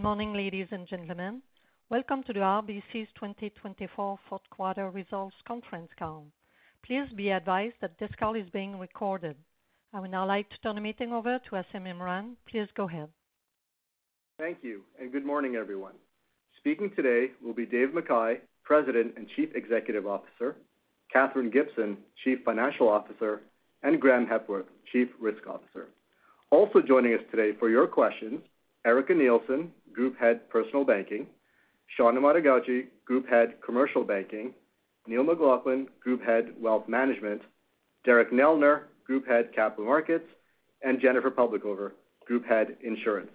Good morning, ladies and gentlemen. Welcome to the RBC's 2024 Fourth Quarter Results Conference Call. Please be advised that this call is being recorded. I would now like to turn the meeting over to Asim Imran. Please go ahead. Thank you, and good morning, everyone. Speaking today will be Dave McKay, President and Chief Executive Officer, Katherine Gibson, Chief Financial Officer, and Graeme Hepworth, Chief Risk Officer. Also joining us today for your questions, Erica Nielsen, Group Head Personal Banking, Sean Amato-Gauci, Group Head Commercial Banking, Neil McLaughlin, Group Head Wealth Management, Derek Neldner, Group Head Capital Markets, and Jennifer Publicover, Group Head Insurance.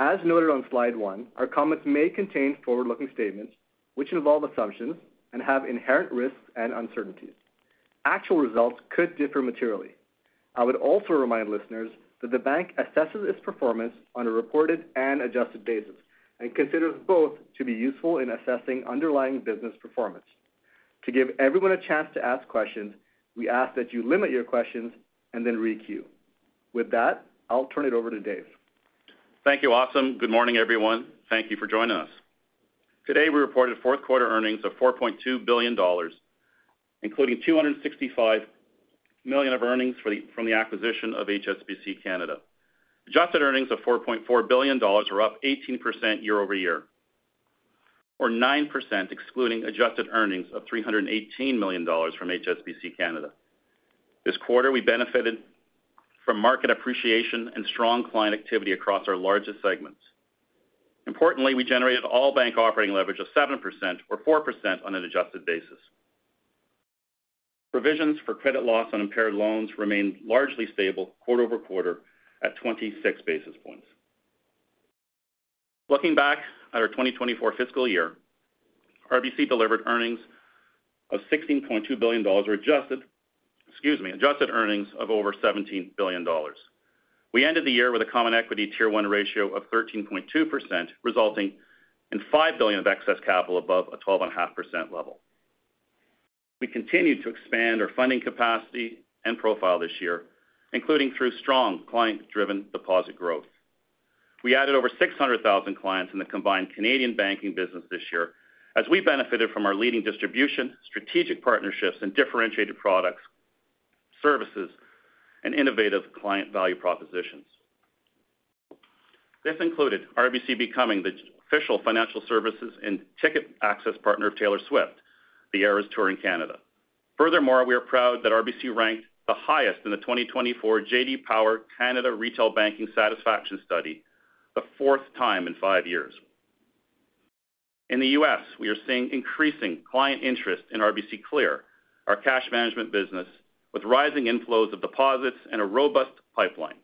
As noted on slide one, our comments may contain forward-looking statements which involve assumptions and have inherent risks and uncertainties. Actual results could differ materially. I would also remind listeners that the bank assesses its performance on a reported and adjusted basis and considers both to be useful in assessing underlying business performance. To give everyone a chance to ask questions, we ask that you limit your questions and then re-queue. With that, I'll turn it over to Dave. Thank you, Asim. Good morning, everyone. Thank you for joining us. Today, we reported fourth quarter earnings of $4.2 billion, including $265 million of earnings from the acquisition of HSBC Canada. Adjusted earnings of $4.4 billion are up 18% year over year, or 9% excluding adjusted earnings of $318 million from HSBC Canada. This quarter, we benefited from market appreciation and strong client activity across our largest segments. Importantly, we generated all bank operating leverage of 7% or 4% on an adjusted basis. Provisions for credit loss on impaired loans remain largely stable quarter over quarter at 26 basis points. Looking back at our 2024 fiscal year, RBC delivered earnings of $16.2 billion or adjusted, excuse me, adjusted earnings of over $17 billion. We ended the year with a Common Equity Tier 1 ratio of 13.2%, resulting in $5 billion of excess capital above a 12.5% level. We continued to expand our funding capacity and profile this year, including through strong client-driven deposit growth. We added over 600,000 clients in the combined Canadian banking business this year, as we benefited from our leading distribution, strategic partnerships, and differentiated products, services, and innovative client value propositions. This included RBC becoming the official financial services and ticket access partner of Taylor Swift, The Eras Tour in Canada. Furthermore, we are proud that RBC ranked the highest in the 2024 J.D. Power Canada Retail Banking Satisfaction Study, the fourth time in five years. In the U.S., we are seeing increasing client interest in RBC Clear, our cash management business, with rising inflows of deposits and a robust pipeline.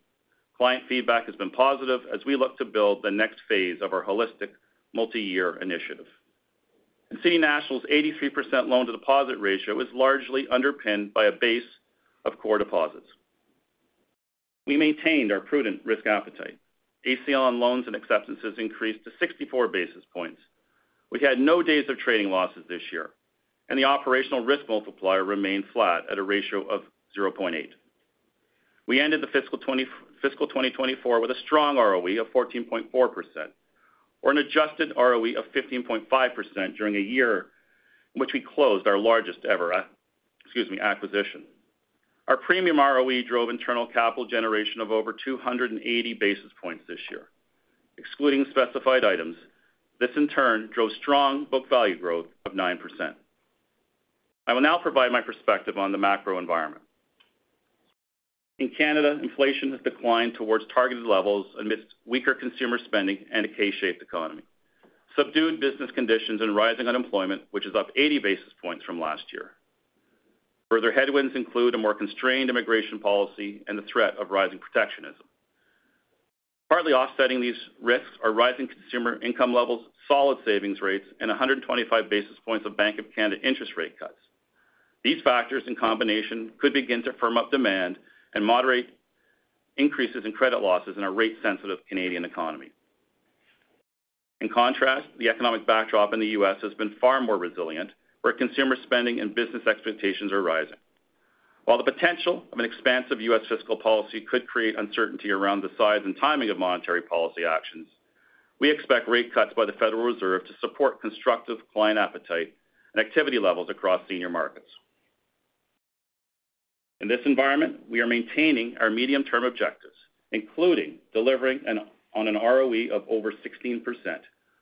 Client feedback has been positive as we look to build the next phase of our holistic multi-year initiative, and City National's 83% loan-to-deposit ratio is largely underpinned by a base of core deposits. We maintained our prudent risk appetite. ACL on loans and acceptances increased to 64 basis points. We had no days of trading losses this year, and the operational risk multiplier remained flat at a ratio of 0.8. We ended the fiscal 2024 with a strong ROE of 14.4%, or an adjusted ROE of 15.5% during a year in which we closed our largest ever, excuse me, acquisition. Our premium ROE drove internal capital generation of over 280 basis points this year. Excluding specified items, this, in turn, drove strong book value growth of 9%. I will now provide my perspective on the macro environment. In Canada, inflation has declined towards targeted levels amidst weaker consumer spending and a K-shaped economy, subdued business conditions, and rising unemployment, which is up 80 basis points from last year. Further headwinds include a more constrained immigration policy and the threat of rising protectionism. Partly offsetting these risks are rising consumer income levels, solid savings rates, and 125 basis points of Bank of Canada interest rate cuts. These factors, in combination, could begin to firm up demand and moderate increases in credit losses in our rate-sensitive Canadian economy. In contrast, the economic backdrop in the U.S. has been far more resilient, where consumer spending and business expectations are rising. While the potential of an expansive U.S. fiscal policy could create uncertainty around the size and timing of monetary policy actions, we expect rate cuts by the Federal Reserve to support constructive client appetite and activity levels across senior markets. In this environment, we are maintaining our medium-term objectives, including delivering on an ROE of over 16%,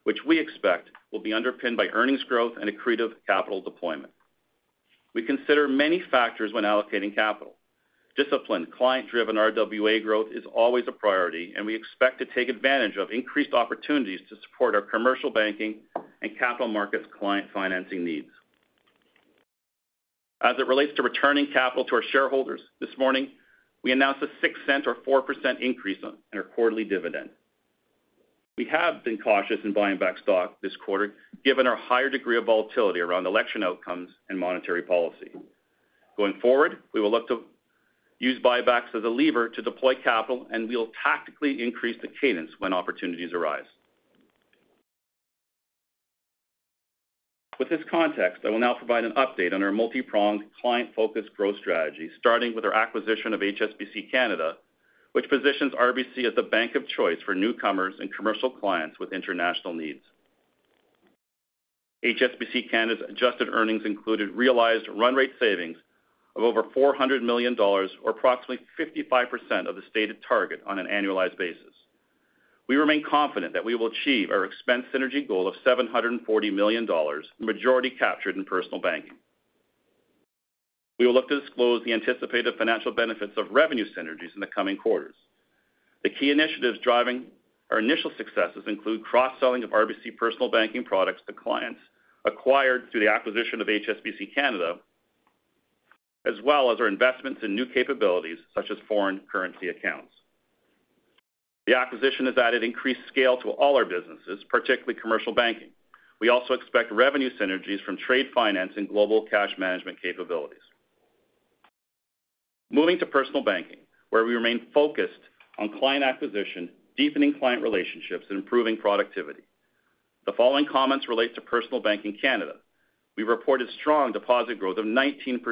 which we expect will be underpinned by earnings growth and accretive capital deployment. We consider many factors when allocating capital. Disciplined, client-driven RWA growth is always a priority, and we expect to take advantage of increased opportunities to support our commercial banking and capital markets client financing needs. As it relates to returning capital to our shareholders, this morning, we announced a $0.06 or 4% increase in our quarterly dividend. We have been cautious in buying back stock this quarter, given our higher degree of volatility around election outcomes and monetary policy. Going forward, we will look to use buybacks as a lever to deploy capital, and we will tactically increase the cadence when opportunities arise. With this context, I will now provide an update on our multi-pronged client-focused growth strategy, starting with our acquisition of HSBC Canada, which positions RBC as the bank of choice for newcomers and commercial clients with international needs. HSBC Canada's adjusted earnings included realized run-rate savings of over 400 million dollars, or approximately 55% of the stated target on an annualized basis. We remain confident that we will achieve our expense synergy goal of 740 million dollars, majority captured in personal banking. We will look to disclose the anticipated financial benefits of revenue synergies in the coming quarters. The key initiatives driving our initial successes include cross-selling of RBC personal banking products to clients acquired through the acquisition of HSBC Canada, as well as our investments in new capabilities such as foreign currency accounts. The acquisition has added increased scale to all our businesses, particularly commercial banking. We also expect revenue synergies from trade finance and global cash management capabilities. Moving to personal banking, where we remain focused on client acquisition, deepening client relationships, and improving productivity. The following comments relate to personal banking Canada. We reported strong deposit growth of 19%,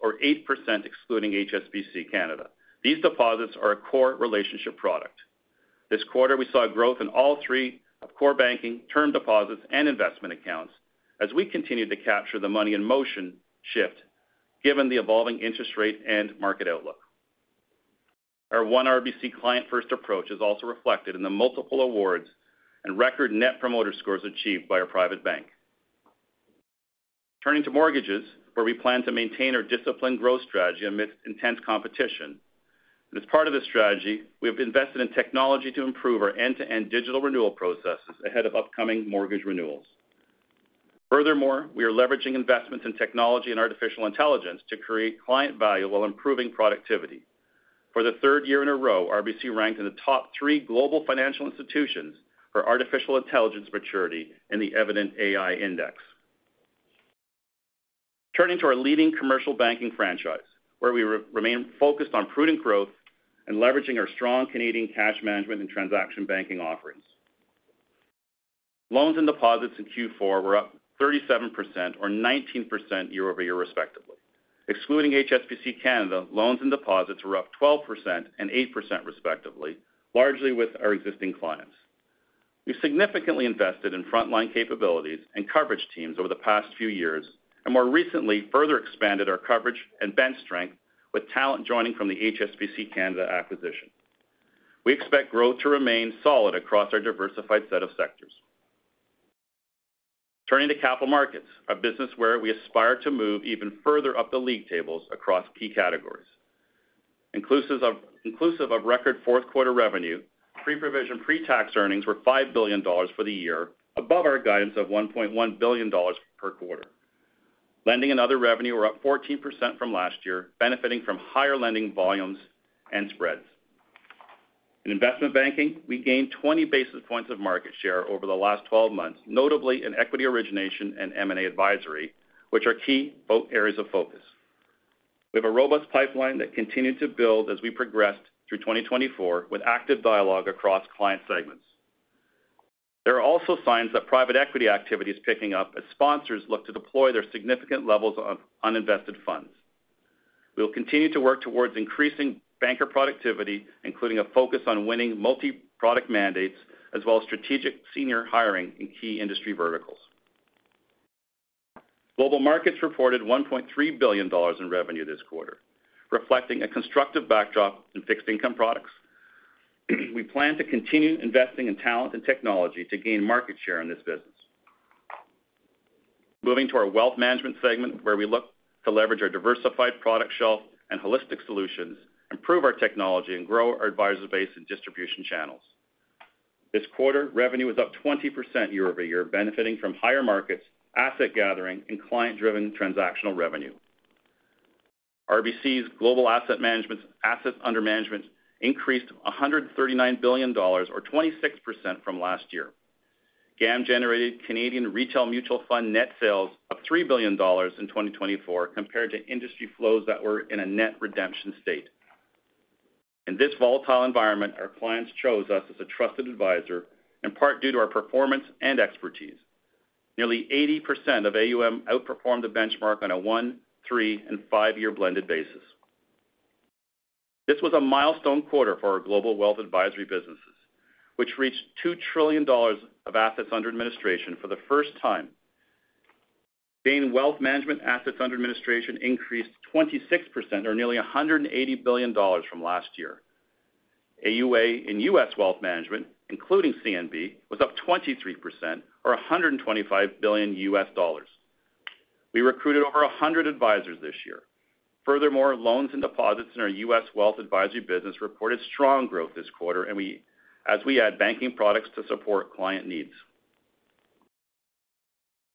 or 8% excluding HSBC Canada. These deposits are a core relationship product. This quarter, we saw growth in all three of core banking, term deposits, and investment accounts as we continued to capture the money in motion shift, given the evolving interest rate and market outlook. Our one RBC client-first approach is also reflected in the multiple awards and record net promoter scores achieved by our private bank. Turning to mortgages, where we plan to maintain our disciplined growth strategy amidst intense competition. As part of this strategy, we have invested in technology to improve our end-to-end digital renewal processes ahead of upcoming mortgage renewals. Furthermore, we are leveraging investments in technology and artificial intelligence to create client value while improving productivity. For the third year in a row, RBC ranked in the top three global financial institutions for artificial intelligence maturity in the Evident AI Index. Turning to our leading commercial banking franchise, where we remain focused on prudent growth and leveraging our strong Canadian cash management and transaction banking offerings. Loans and deposits in Q4 were up 37% or 19% year over year, respectively. Excluding HSBC Canada, loans and deposits were up 12% and 8%, respectively, largely with our existing clients. We've significantly invested in frontline capabilities and coverage teams over the past few years and more recently further expanded our coverage and bench strength with talent joining from the HSBC Canada acquisition. We expect growth to remain solid across our diversified set of sectors. Turning to capital markets, our business where we aspire to move even further up the league tables across key categories. Inclusive of record fourth quarter revenue, pre-provision pre-tax earnings were $5 billion for the year, above our guidance of $1.1 billion per quarter. Lending and other revenue were up 14% from last year, benefiting from higher lending volumes and spreads. In investment banking, we gained 20 basis points of market share over the last 12 months, notably in equity origination and M&A advisory, which are key areas of focus. We have a robust pipeline that continued to build as we progressed through 2024 with active dialogue across client segments. There are also signs that private equity activity is picking up as sponsors look to deploy their significant levels of uninvested funds. We will continue to work towards increasing banker productivity, including a focus on winning multi-product mandates, as well as strategic senior hiring in key industry verticals. Global markets reported $1.3 billion in revenue this quarter, reflecting a constructive backdrop in fixed income products. We plan to continue investing in talent and technology to gain market share in this business. Moving to our wealth management segment, where we look to leverage our diversified product shelf and holistic solutions, improve our technology, and grow our advisory base and distribution channels. This quarter, revenue was up 20% year over year, benefiting from higher markets, asset gathering, and client-driven transactional revenue. RBC's global asset management assets under management increased $139 billion, or 26% from last year. GAM generated Canadian Retail Mutual Fund net sales of $3 billion in 2024, compared to industry flows that were in a net redemption state. In this volatile environment, our clients chose us as a trusted advisor, in part due to our performance and expertise. Nearly 80% of AUM outperformed the benchmark on a one, three, and five-year blended basis. This was a milestone quarter for our global wealth advisory businesses, which reached 2 trillion dollars of assets under administration for the first time. GAM wealth management assets under administration increased 26%, or nearly 180 billion dollars, from last year. AUA in U.S. wealth management, including CNB, was up 23%, or CAD 125 billion. We recruited over 100 advisors this year. Furthermore, loans and deposits in our U.S. wealth advisory business reported strong growth this quarter, as we add banking products to support client needs.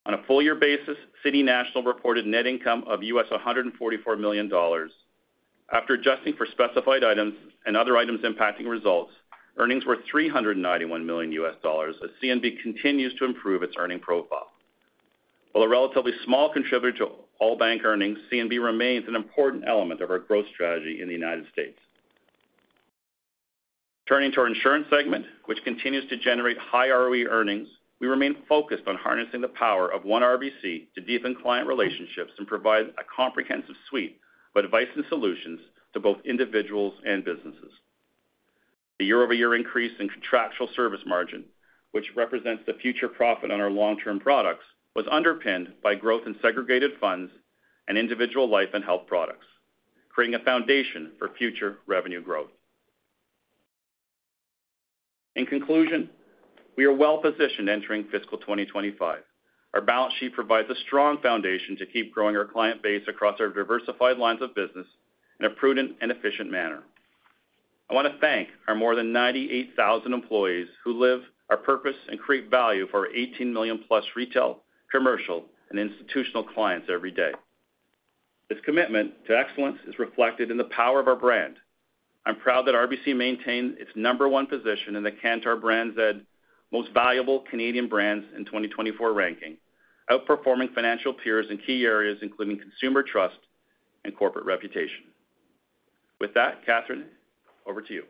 On a full-year basis, City National reported net income of $144 million. After adjusting for specified items and other items impacting results, earnings were $391 million, as CNB continues to improve its earning profile. While a relatively small contributor to all bank earnings, CNB remains an important element of our growth strategy in the United States. Turning to our insurance segment, which continues to generate high ROE earnings, we remain focused on harnessing the power of one RBC to deepen client relationships and provide a comprehensive suite of advice and solutions to both individuals and businesses. The year-over-year increase in contractual service margin, which represents the future profit on our long-term products, was underpinned by growth in segregated funds and individual life and health products, creating a foundation for future revenue growth. In conclusion, we are well-positioned entering fiscal 2025. Our balance sheet provides a strong foundation to keep growing our client base across our diversified lines of business in a prudent and efficient manner. I want to thank our more than 98,000 employees who live our purpose and create value for our 18 million-plus retail, commercial, and institutional clients every day. This commitment to excellence is reflected in the power of our brand. I'm proud that RBC maintained its number one position in the Kantar Brands' most valuable Canadian brands in 2024 ranking, outperforming financial peers in key areas including consumer trust and corporate reputation. With that, Katherine, over to you.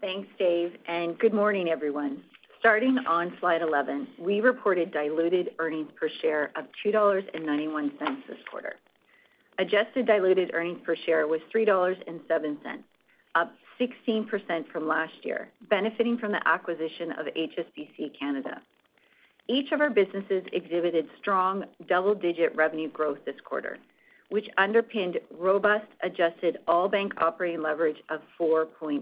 Thanks, Dave, and good morning, everyone. Starting on slide 11, we reported diluted earnings per share of 2.91 dollars this quarter. Adjusted diluted earnings per share was 3.07 dollars, up 16% from last year, benefiting from the acquisition of HSBC Canada. Each of our businesses exhibited strong double-digit revenue growth this quarter, which underpinned robust adjusted all-bank operating leverage of 4.3%.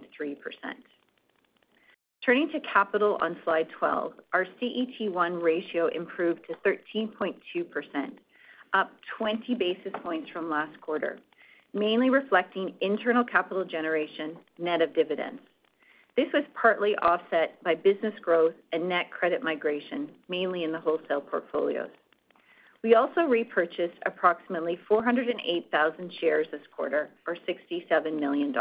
Turning to capital on slide 12, our CET1 ratio improved to 13.2%, up 20 basis points from last quarter, mainly reflecting internal capital generation net of dividends. This was partly offset by business growth and net credit migration, mainly in the wholesale portfolios. We also repurchased approximately 408,000 shares this quarter, or $67 million.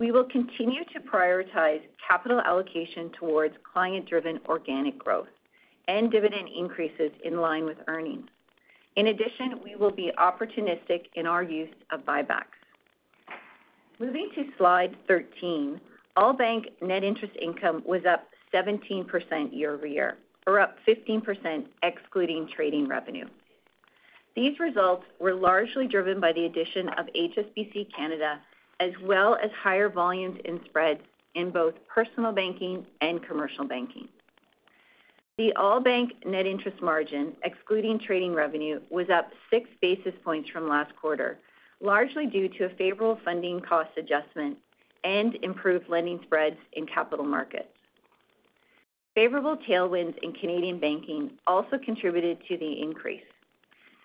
We will continue to prioritize capital allocation towards client-driven organic growth and dividend increases in line with earnings. In addition, we will be opportunistic in our use of buybacks. Moving to slide 13, all-bank net interest income was up 17% year over year, or up 15%, excluding trading revenue. These results were largely driven by the addition of HSBC Canada, as well as higher volumes and spreads in both personal banking and commercial banking. The all-bank net interest margin, excluding trading revenue, was up six basis points from last quarter, largely due to a favorable funding cost adjustment and improved lending spreads in capital markets. Favorable tailwinds in Canadian banking also contributed to the increase.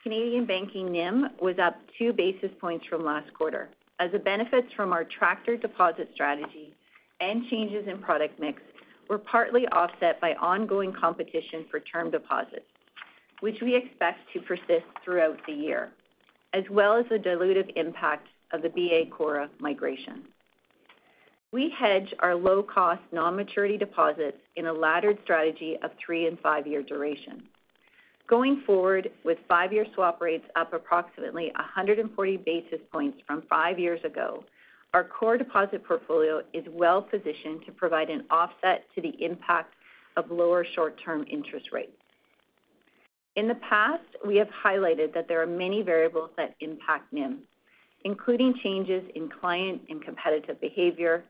Canadian banking NIM was up two basis points from last quarter, as the benefits from our transactional deposit strategy and changes in product mix were partly offset by ongoing competition for term deposits, which we expect to persist throughout the year, as well as the dilutive impact of the BA/CORRA migration. We hedge our low-cost non-maturity deposits in a laddered strategy of three and five-year duration. Going forward with five-year swap rates up approximately 140 basis points from five years ago, our core deposit portfolio is well-positioned to provide an offset to the impact of lower short-term interest rates. In the past, we have highlighted that there are many variables that impact NIM, including changes in client and competitive behavior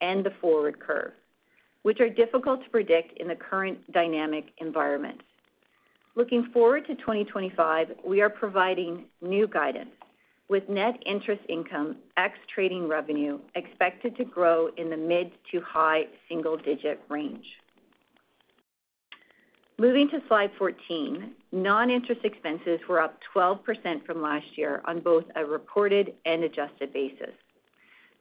and the forward curve, which are difficult to predict in the current dynamic environment. Looking forward to 2025, we are providing new guidance, with net interest income ex trading revenue expected to grow in the mid to high single-digit range. Moving to slide 14, non-interest expenses were up 12% from last year on both a reported and adjusted basis.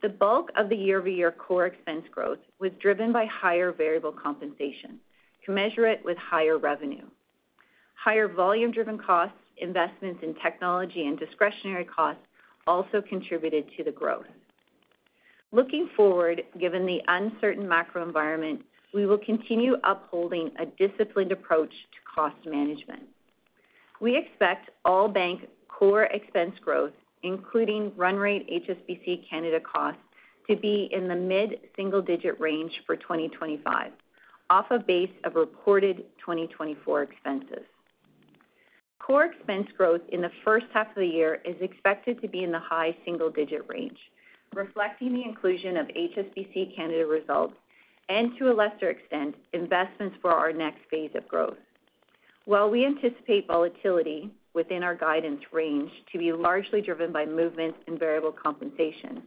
The bulk of the year-over-year core expense growth was driven by higher variable compensation, commensurate with higher revenue. Higher volume-driven costs, investments in technology, and discretionary costs also contributed to the growth. Looking forward, given the uncertain macro environment, we will continue upholding a disciplined approach to cost management. We expect all-bank core expense growth, including run rate HSBC Canada costs, to be in the mid single-digit range for 2025, off a base of reported 2024 expenses. Core expense growth in the first half of the year is expected to be in the high single-digit range, reflecting the inclusion of HSBC Canada results and, to a lesser extent, investments for our next phase of growth. While we anticipate volatility within our guidance range to be largely driven by movements and variable compensation,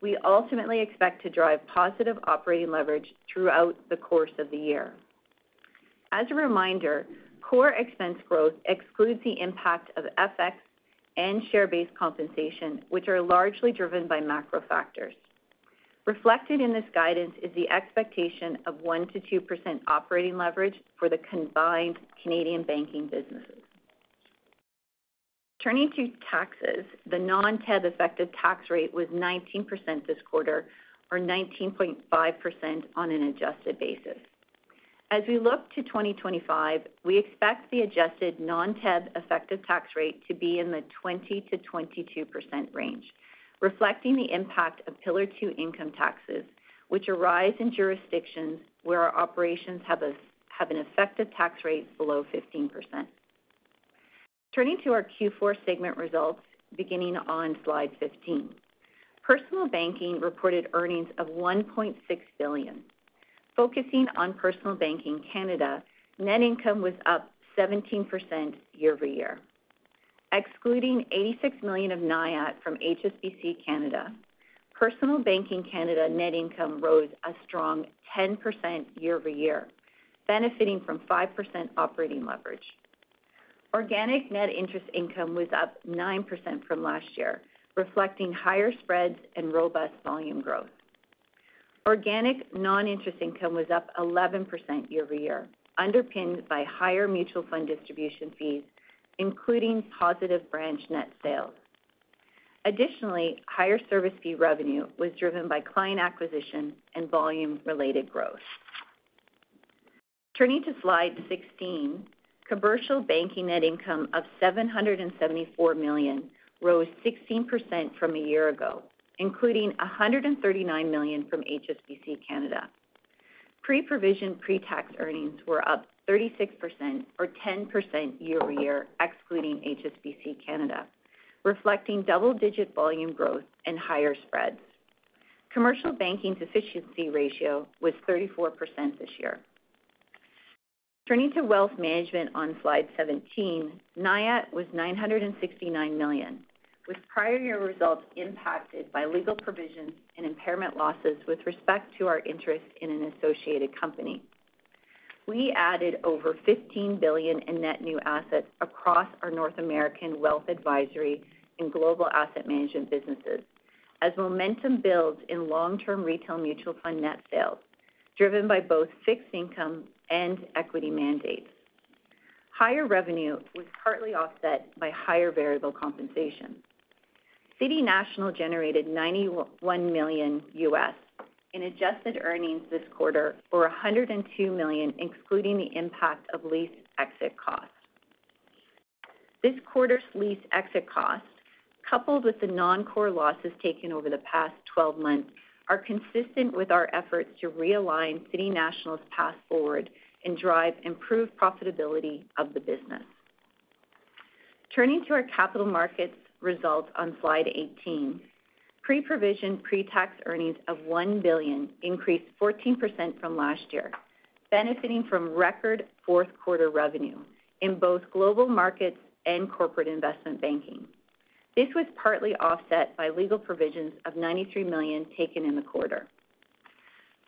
we ultimately expect to drive positive operating leverage throughout the course of the year. As a reminder, core expense growth excludes the impact of FX and share-based compensation, which are largely driven by macro factors. Reflected in this guidance is the expectation of 1%-2% operating leverage for the combined Canadian banking businesses. Turning to taxes, the non-TEB affected tax rate was 19% this quarter, or 19.5% on an adjusted basis. As we look to 2025, we expect the adjusted non-TEB affected tax rate to be in the 20%-22% range, reflecting the impact of Pillar Two income taxes, which arise in jurisdictions where our operations have an effective tax rate below 15%. Turning to our Q4 segment results, beginning on slide 15, personal banking reported earnings of $1.6 billion. Focusing on personal banking Canada, net income was up 17% year over year. Excluding $86 million of NIAT from HSBC Canada, personal banking Canada net income rose a strong 10% year over year, benefiting from 5% operating leverage. Organic net interest income was up 9% from last year, reflecting higher spreads and robust volume growth. Organic non-interest income was up 11% year over year, underpinned by higher mutual fund distribution fees, including positive branch net sales. Additionally, higher service fee revenue was driven by client acquisition and volume-related growth. Turning to slide 16, commercial banking net income of CAD 774 million rose 16% from a year ago, including CAD 139 million from HSBC Canada. Pre-provision pre-tax earnings were up 36%, or 10% year over year, excluding HSBC Canada, reflecting double-digit volume growth and higher spreads. Commercial banking deficiency ratio was 34% this year. Turning to wealth management on slide 17, NIAT was 969 million, with prior year results impacted by legal provisions and impairment losses with respect to our interest in an associated company. We added over 15 billion in net new assets across our North American wealth advisory and global asset management businesses, as momentum builds in long-term retail mutual fund net sales, driven by both fixed income and equity mandates. Higher revenue was partly offset by higher variable compensation. City National generated $91 million in adjusted earnings this quarter, or $102 million, excluding the impact of lease exit costs. This quarter's lease exit costs, coupled with the non-core losses taken over the past 12 months, are consistent with our efforts to realign City National's path forward and drive improved profitability of the business. Turning to our capital markets results on slide 18, pre-provision pre-tax earnings of 1 billion increased 14% from last year, benefiting from record fourth-quarter revenue in both global markets and corporate investment banking. This was partly offset by legal provisions of 93 million taken in the quarter.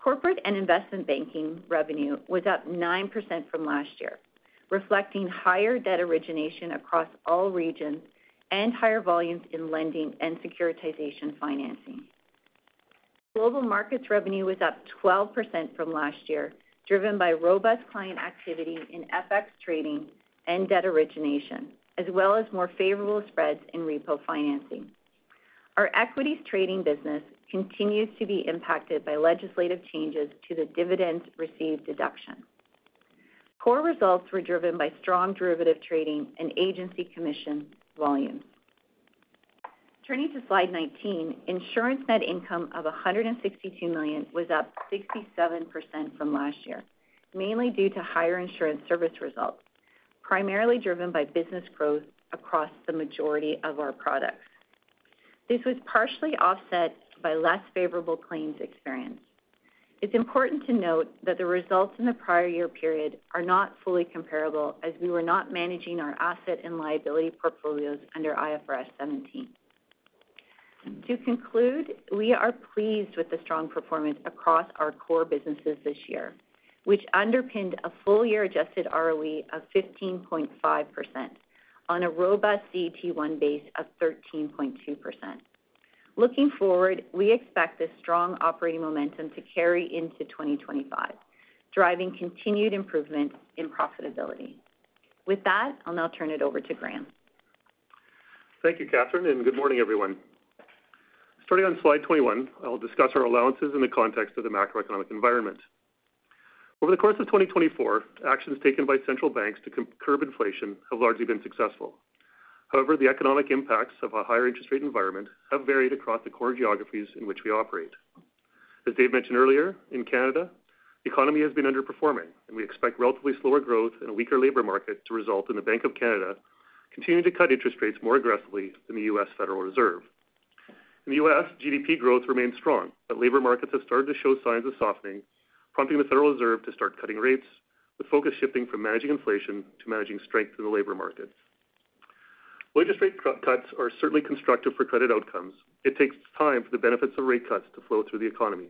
Corporate and investment banking revenue was up 9% from last year, reflecting higher debt origination across all regions and higher volumes in lending and securitization financing. Global markets revenue was up 12% from last year, driven by robust client activity in FX trading and debt origination, as well as more favorable spreads in repo financing. Our equities trading business continues to be impacted by legislative changes to the dividends received deduction. Core results were driven by strong derivative trading and agency commission volumes. Turning to slide 19, insurance net income of $162 million was up 67% from last year, mainly due to higher insurance service results, primarily driven by business growth across the majority of our products. This was partially offset by less favorable claims experience. It's important to note that the results in the prior year period are not fully comparable, as we were not managing our asset and liability portfolios under IFRS 17. To conclude, we are pleased with the strong performance across our core businesses this year, which underpinned a full-year adjusted ROE of 15.5% on a robust CET1 base of 13.2%. Looking forward, we expect this strong operating momentum to carry into 2025, driving continued improvement in profitability. With that, I'll now turn it over to Graeme. Thank you, Katherine, and good morning, everyone. Starting on slide 21, I'll discuss our allowances in the context of the macroeconomic environment. Over the course of 2024, actions taken by central banks to curb inflation have largely been successful. However, the economic impacts of a higher interest rate environment have varied across the core geographies in which we operate. As Dave mentioned earlier, in Canada, the economy has been underperforming, and we expect relatively slower growth and a weaker labor market to result in the Bank of Canada continuing to cut interest rates more aggressively than the U.S. Federal Reserve. In the U.S., GDP growth remains strong, but labor markets have started to show signs of softening, prompting the Federal Reserve to start cutting rates, with focus shifting from managing inflation to managing strength in the labor markets. Interest rate cuts are certainly constructive for credit outcomes. It takes time for the benefits of rate cuts to flow through the economy.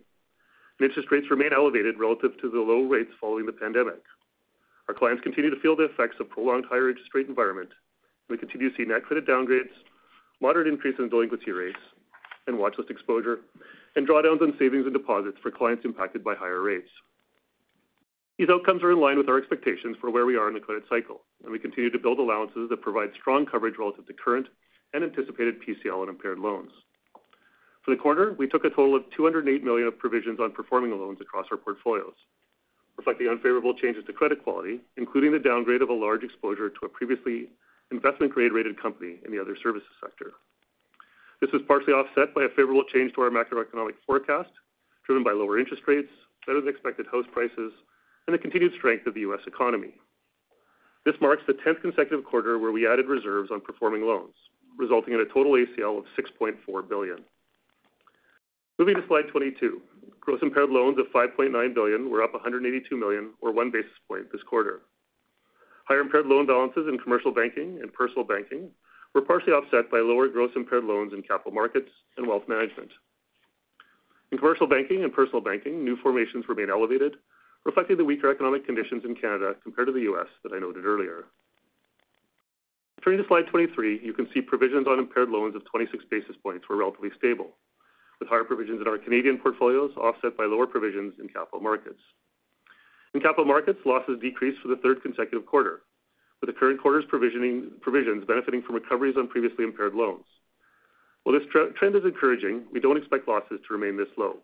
Interest rates remain elevated relative to the low rates following the pandemic. Our clients continue to feel the effects of a prolonged higher interest rate environment, and we continue to see net credit downgrades, moderate increases in delinquency rates, and watchlist exposure, and drawdowns on savings and deposits for clients impacted by higher rates. These outcomes are in line with our expectations for where we are in the credit cycle, and we continue to build allowances that provide strong coverage relative to current and anticipated PCL and impaired loans. For the quarter, we took a total of 208 million of provisions on performing loans across our portfolios, reflecting unfavorable changes to credit quality, including the downgrade of a large exposure to a previously investment-grade rated company in the other services sector. This was partially offset by a favorable change to our macroeconomic forecast, driven by lower interest rates, better-than-expected house prices, and the continued strength of the U.S. economy. This marks the 10th consecutive quarter where we added reserves on performing loans, resulting in a total ACL of $6.4 billion. Moving to slide 22, gross impaired loans of $5.9 billion were up $182 million, or one basis point, this quarter. Higher impaired loan balances in commercial banking and personal banking were partially offset by lower gross impaired loans in capital markets and wealth management. In commercial banking and personal banking, new formations remain elevated, reflecting the weaker economic conditions in Canada compared to the U.S. that I noted earlier. Turning to slide 23, you can see provisions on impaired loans of 26 basis points were relatively stable, with higher provisions in our Canadian portfolios offset by lower provisions in capital markets. In capital markets, losses decreased for the third consecutive quarter, with the current quarter's provisions benefiting from recoveries on previously impaired loans. While this trend is encouraging, we don't expect losses to remain this low.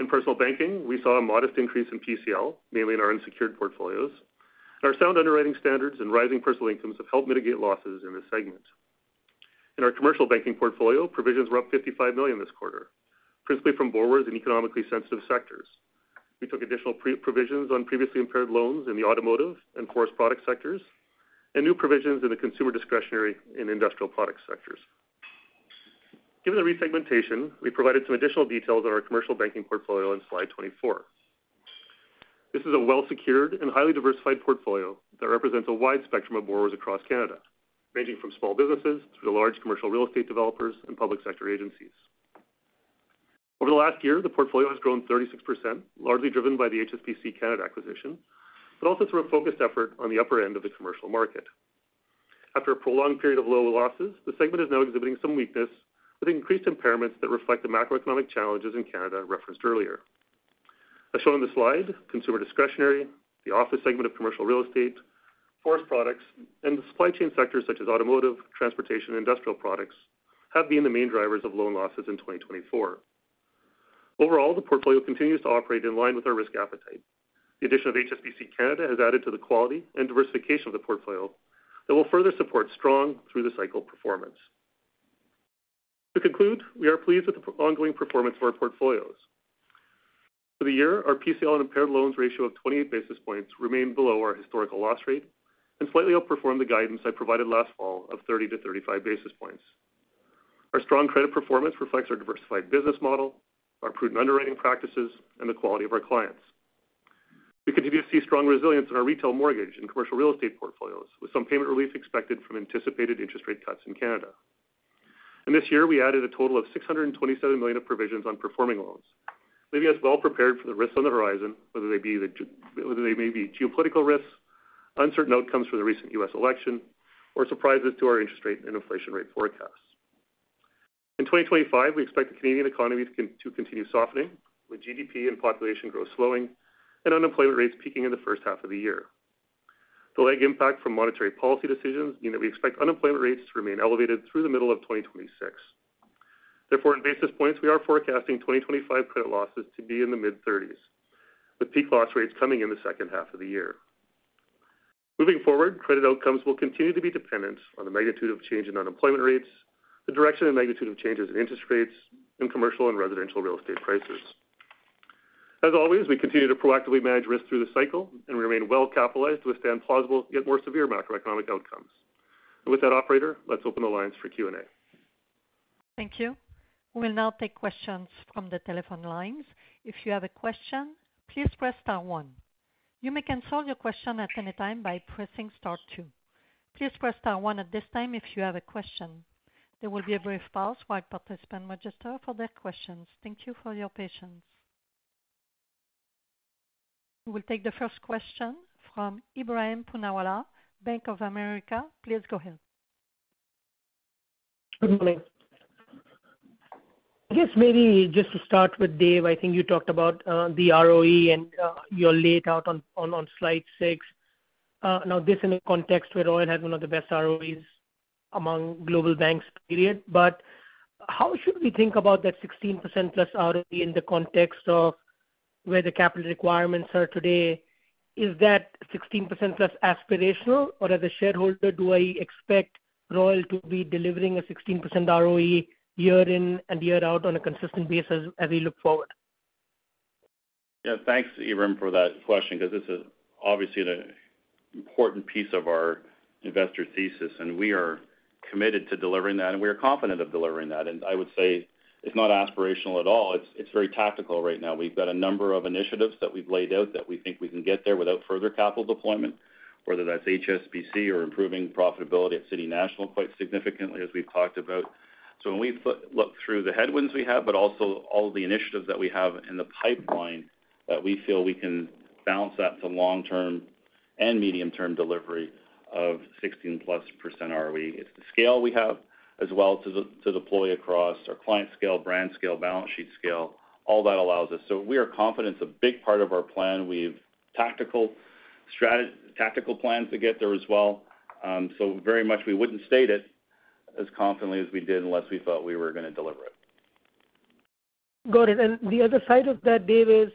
In personal banking, we saw a modest increase in PCL, mainly in our unsecured portfolios. Our sound underwriting standards and rising personal incomes have helped mitigate losses in this segment. In our commercial banking portfolio, provisions were up $55 million this quarter, principally from borrowers in economically sensitive sectors. We took additional provisions on previously impaired loans in the automotive and forest product sectors, and new provisions in the consumer discretionary and industrial product sectors. Given the resegmentation, we provided some additional details on our commercial banking portfolio on slide 24. This is a well-secured and highly diversified portfolio that represents a wide spectrum of borrowers across Canada, ranging from small businesses to the large commercial real estate developers and public sector agencies. Over the last year, the portfolio has grown 36%, largely driven by the HSBC Canada acquisition, but also through a focused effort on the upper end of the commercial market. After a prolonged period of low losses, the segment is now exhibiting some weakness, with increased impairments that reflect the macroeconomic challenges in Canada referenced earlier. As shown on the slide, consumer discretionary, the office segment of commercial real estate, forest products, and the supply chain sectors such as automotive, transportation, and industrial products have been the main drivers of loan losses in 2024. Overall, the portfolio continues to operate in line with our risk appetite. The addition of HSBC Canada has added to the quality and diversification of the portfolio that will further support strong through-the-cycle performance. To conclude, we are pleased with the ongoing performance of our portfolios. For the year, our PCL and impaired loans ratio of 28 basis points remained below our historical loss rate and slightly outperformed the guidance I provided last fall of 30-35 basis points. Our strong credit performance reflects our diversified business model, our prudent underwriting practices, and the quality of our clients. We continue to see strong resilience in our retail mortgage and commercial real estate portfolios, with some payment relief expected from anticipated interest rate cuts in Canada, and this year, we added a total of 627 million of provisions on performing loans, leaving us well prepared for the risks on the horizon, whether they may be geopolitical risks, uncertain outcomes for the recent U.S. election, or surprises to our interest rate and inflation rate forecasts. In 2025, we expect the Canadian economy to continue softening, with GDP and population growth slowing and unemployment rates peaking in the first half of the year. The lagged impact from monetary policy decisions means that we expect unemployment rates to remain elevated through the middle of 2026. Therefore, in basis points, we are forecasting 2025 credit losses to be in the mid-30s, with peak loss rates coming in the second half of the year. Moving forward, credit outcomes will continue to be dependent on the magnitude of change in unemployment rates, the direction and magnitude of changes in interest rates, and commercial and residential real estate prices. As always, we continue to proactively manage risk through the cycle and remain well-capitalized to withstand plausible, yet more severe macroeconomic outcomes. And with that, operator, let's open the lines for Q&A. Thank you. We'll now take questions from the telephone lines. If you have a question, please press star one. You may cancel your question at any time by pressing star two. Please press star one at this time if you have a question. There will be a brief pause while participants register for their questions. Thank you for your patience. We will take the first question from Ibrahim Punawalla, Bank of America. Please go ahead. Good morning. I guess maybe just to start with, Dave, I think you talked about the ROE, and you're laid out on slide six. Now, this is in a context where RBC has one of the best ROEs among global banks, period. But how should we think about that 16% plus ROE in the context of where the capital requirements are today? Is that 16% plus aspirational, or as a shareholder, do I expect Royal to be delivering a 16% ROE year in and year out on a consistent basis as we look forward? Yeah, thanks, Ibrahim, for that question, because this is obviously an important piece of our investor thesis, and we are committed to delivering that, and we are confident of delivering that. And I would say it's not aspirational at all. It's very tactical right now. We've got a number of initiatives that we've laid out that we think we can get there without further capital deployment, whether that's HSBC or improving profitability at City National quite significantly, as we've talked about. So when we look through the headwinds we have, but also all of the initiatives that we have in the pipeline that we feel we can balance out to long-term and medium-term delivery of 16%+ ROE, it's the scale we have as well to deploy across our client scale, brand scale, balance sheet scale. All that allows us. So we are confident it's a big part of our plan. We have tactical plans to get there as well. So very much we wouldn't state it as confidently as we did unless we felt we were going to deliver it. Got it. And the other side of that, Dave, is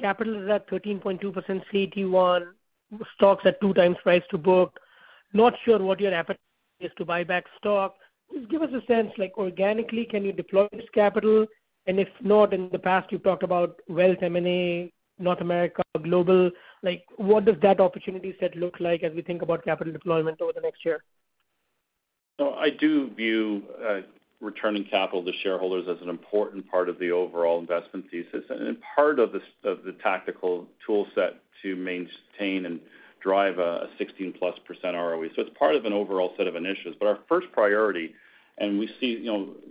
capital is at 13.2% CET1, stocks at two times price to book. Not sure what your appetite is to buy back stock. Just give us a sense, organically, can you deploy this capital? In the past, you've talked about Wealth M&A, North America Global. What does that opportunity set look like as we think about capital deployment over the next year? I do view returning capital to shareholders as an important part of the overall investment thesis and part of the tactical toolset to maintain and drive a 16%+ ROE. It's part of an overall set of initiatives. Our first priority is that we see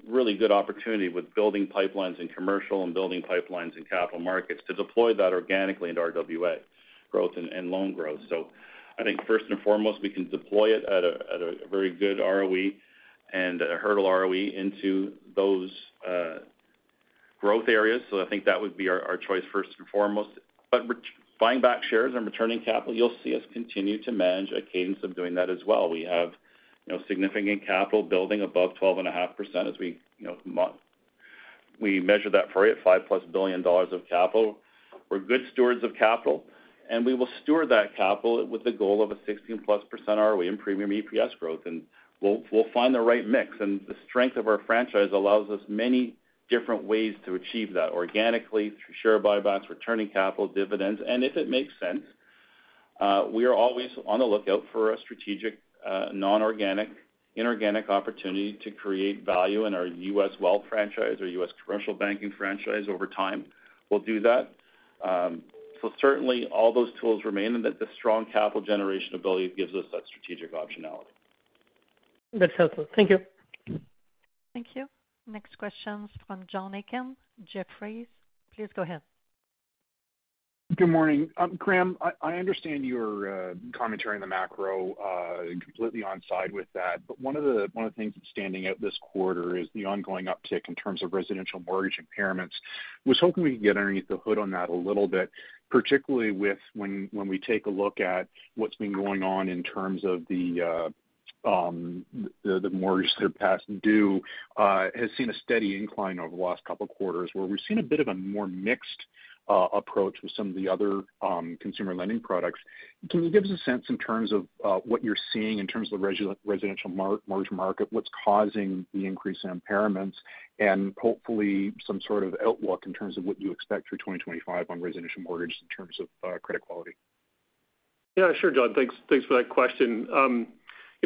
really good opportunity with building pipelines in commercial and building pipelines in capital markets to deploy that organically into our WA growth and loan growth. First and foremost, we can deploy it at a very good ROE and a hurdle ROE into those growth areas. That would be our choice first and foremost. Buying back shares and returning capital, you'll see us continue to manage a cadence of doing that as well. We have significant capital building above 12.5% as we measure that for at $5 plus billion of capital. We're good stewards of capital, and we will steward that capital with the goal of a 16-plus% ROE and premium EPS growth. We'll find the right mix, and the strength of our franchise allows us many different ways to achieve that organically through share buybacks, returning capital, dividends. If it makes sense, we are always on the lookout for a strategic non-organic, inorganic opportunity to create value in our U.S. wealth franchise or U.S. commercial banking franchise over time. We'll do that. Certainly, all those tools remain and that the strong capital generation ability gives us that strategic optionality. That's helpful. Thank you. Thank you. Next questions from John Aiken, Jefferies. Please go ahead. Good morning. Graeme, I understand your commentary on the macro completely on side with that. But one of the things that's standing out this quarter is the ongoing uptick in terms of residential mortgage impairments. I was hoping we could get underneath the hood on that a little bit, particularly when we take a look at what's been going on in terms of the mortgages that are past due has seen a steady incline over the last couple of quarters where we've seen a bit of a more mixed approach with some of the other consumer lending products. Can you give us a sense in terms of what you're seeing in terms of the residential mortgage market, what's causing the increase in impairments, and hopefully some sort of outlook in terms of what you expect for 2025 on residential mortgages in terms of credit quality? Yeah, sure, John. Thanks for that question.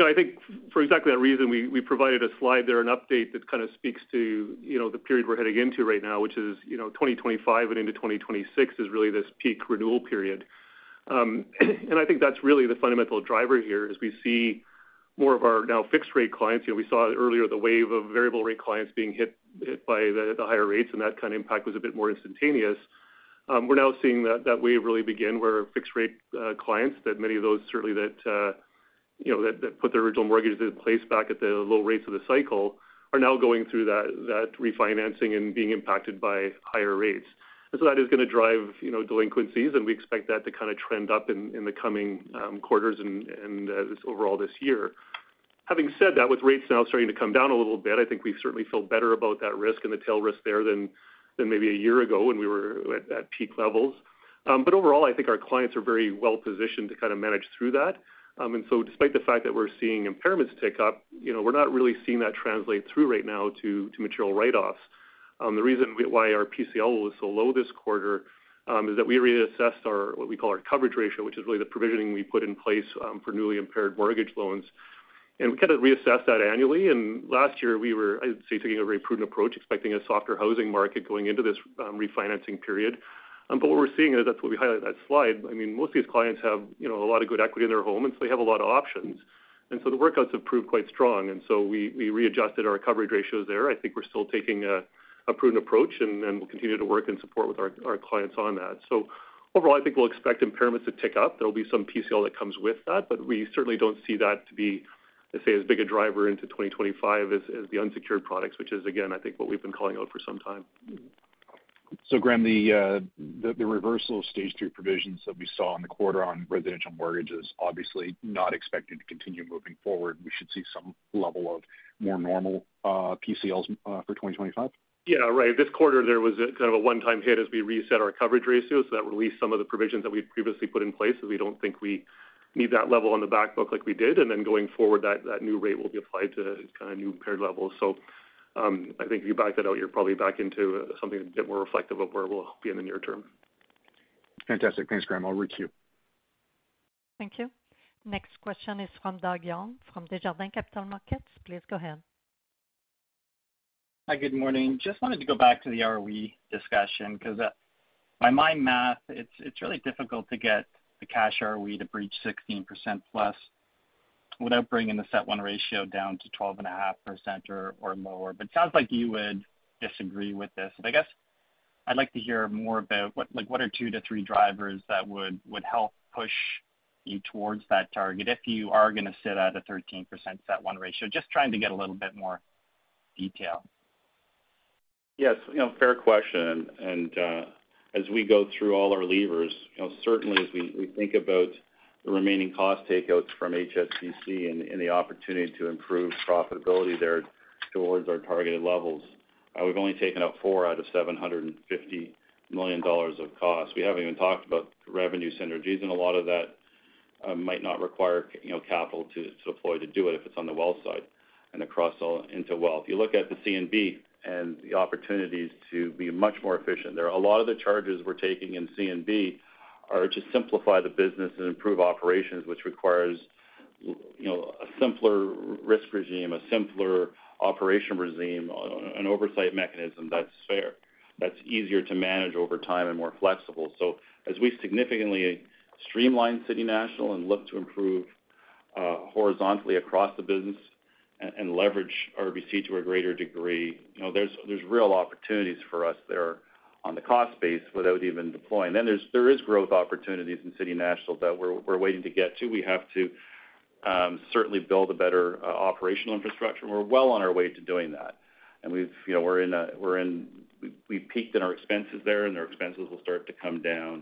I think for exactly that reason, we provided a slide there, an update that kind of speaks to the period we're heading into right now, which is 2025 and into 2026, is really this peak renewal period, and I think that's really the fundamental driver here as we see more of our now fixed-rate clients. We saw earlier the wave of variable-rate clients being hit by the higher rates, and that kind of impact was a bit more instantaneous. We're now seeing that wave really begin where fixed-rate clients, that many of those certainly that put their original mortgages in place back at the low rates of the cycle, are now going through that refinancing and being impacted by higher rates, and so that is going to drive delinquencies, and we expect that to kind of trend up in the coming quarters and overall this year. Having said that, with rates now starting to come down a little bit, I think we certainly feel better about that risk and the tail risk there than maybe a year ago when we were at peak levels, but overall, I think our clients are very well positioned to kind of manage through that, and so despite the fact that we're seeing impairments tick up, we're not really seeing that translate through right now to material write-offs. The reason why our PCL was so low this quarter is that we reassessed what we call our coverage ratio, which is really the provisioning we put in place for newly impaired mortgage loans, and we kind of reassessed that annually. Last year, we were, I'd say, taking a very prudent approach, expecting a softer housing market going into this refinancing period. But what we're seeing is, that's what we highlight that slide. I mean, most of these clients have a lot of good equity in their home, and so they have a lot of options, and so the workouts have proved quite strong, and so we readjusted our coverage ratios there. I think we're still taking a prudent approach, and we'll continue to work and support with our clients on that. Overall, I think we'll expect impairments to tick up. There'll be some PCL that comes with that, but we certainly don't see that to be, I say, as big a driver into 2025 as the unsecured products, which is, again, I think what we've been calling out for some time. Graeme, the reversal of stage three provisions that we saw in the quarter on residential mortgages is obviously not expected to continue moving forward. We should see some level of more normal PCLs for 2025. Yeah, right. This quarter, there was kind of a one-time hit as we reset our coverage ratio. That released some of the provisions that we'd previously put in place because we don't think we need that level on the backbook like we did. Then going forward, that new rate will be applied to kind of new impaired levels. So I think if you back that out, you're probably back into something a bit more reflective of where we'll be in the near term. Fantastic. Thanks, Graeme. I'll reach you. Thank you. Next question is from Doug Young from Desjardins Capital Markets. Please go ahead. Hi, good morning. Just wanted to go back to the ROE discussion because by my math, it's really difficult to get the cash ROE to breach 16% plus without bringing the CET1 ratio down to 12.5% or lower. But it sounds like you would disagree with this. But I guess I'd like to hear more about what are two to three drivers that would help push you towards that target if you are going to sit at a 13% CET1 ratio, just trying to get a little bit more detail. Yes, fair question. As we go through all our levers, certainly as we think about the remaining cost takeouts from HSBC and the opportunity to improve profitability there towards our targeted levels, we've only taken out four out of $750 million of costs. We haven't even talked about revenue synergies, and a lot of that might not require capital to deploy to do it if it's on the wealth side and across all into wealth. You look at the CNB and the opportunities to be much more efficient. There are a lot of the charges we're taking in CNB are to simplify the business and improve operations, which requires a simpler risk regime, a simpler operation regime, an oversight mechanism that's fair, that's easier to manage over time and more flexible. As we significantly streamline City National and look to improve horizontally across the business and leverage RBC to a greater degree, there's real opportunities for us there on the cost base without even deploying. Then there is growth opportunities in City National that we're waiting to get to. We have to certainly build a better operational infrastructure. We're well on our way to doing that. And we're in. We've peaked in our expenses there, and our expenses will start to come down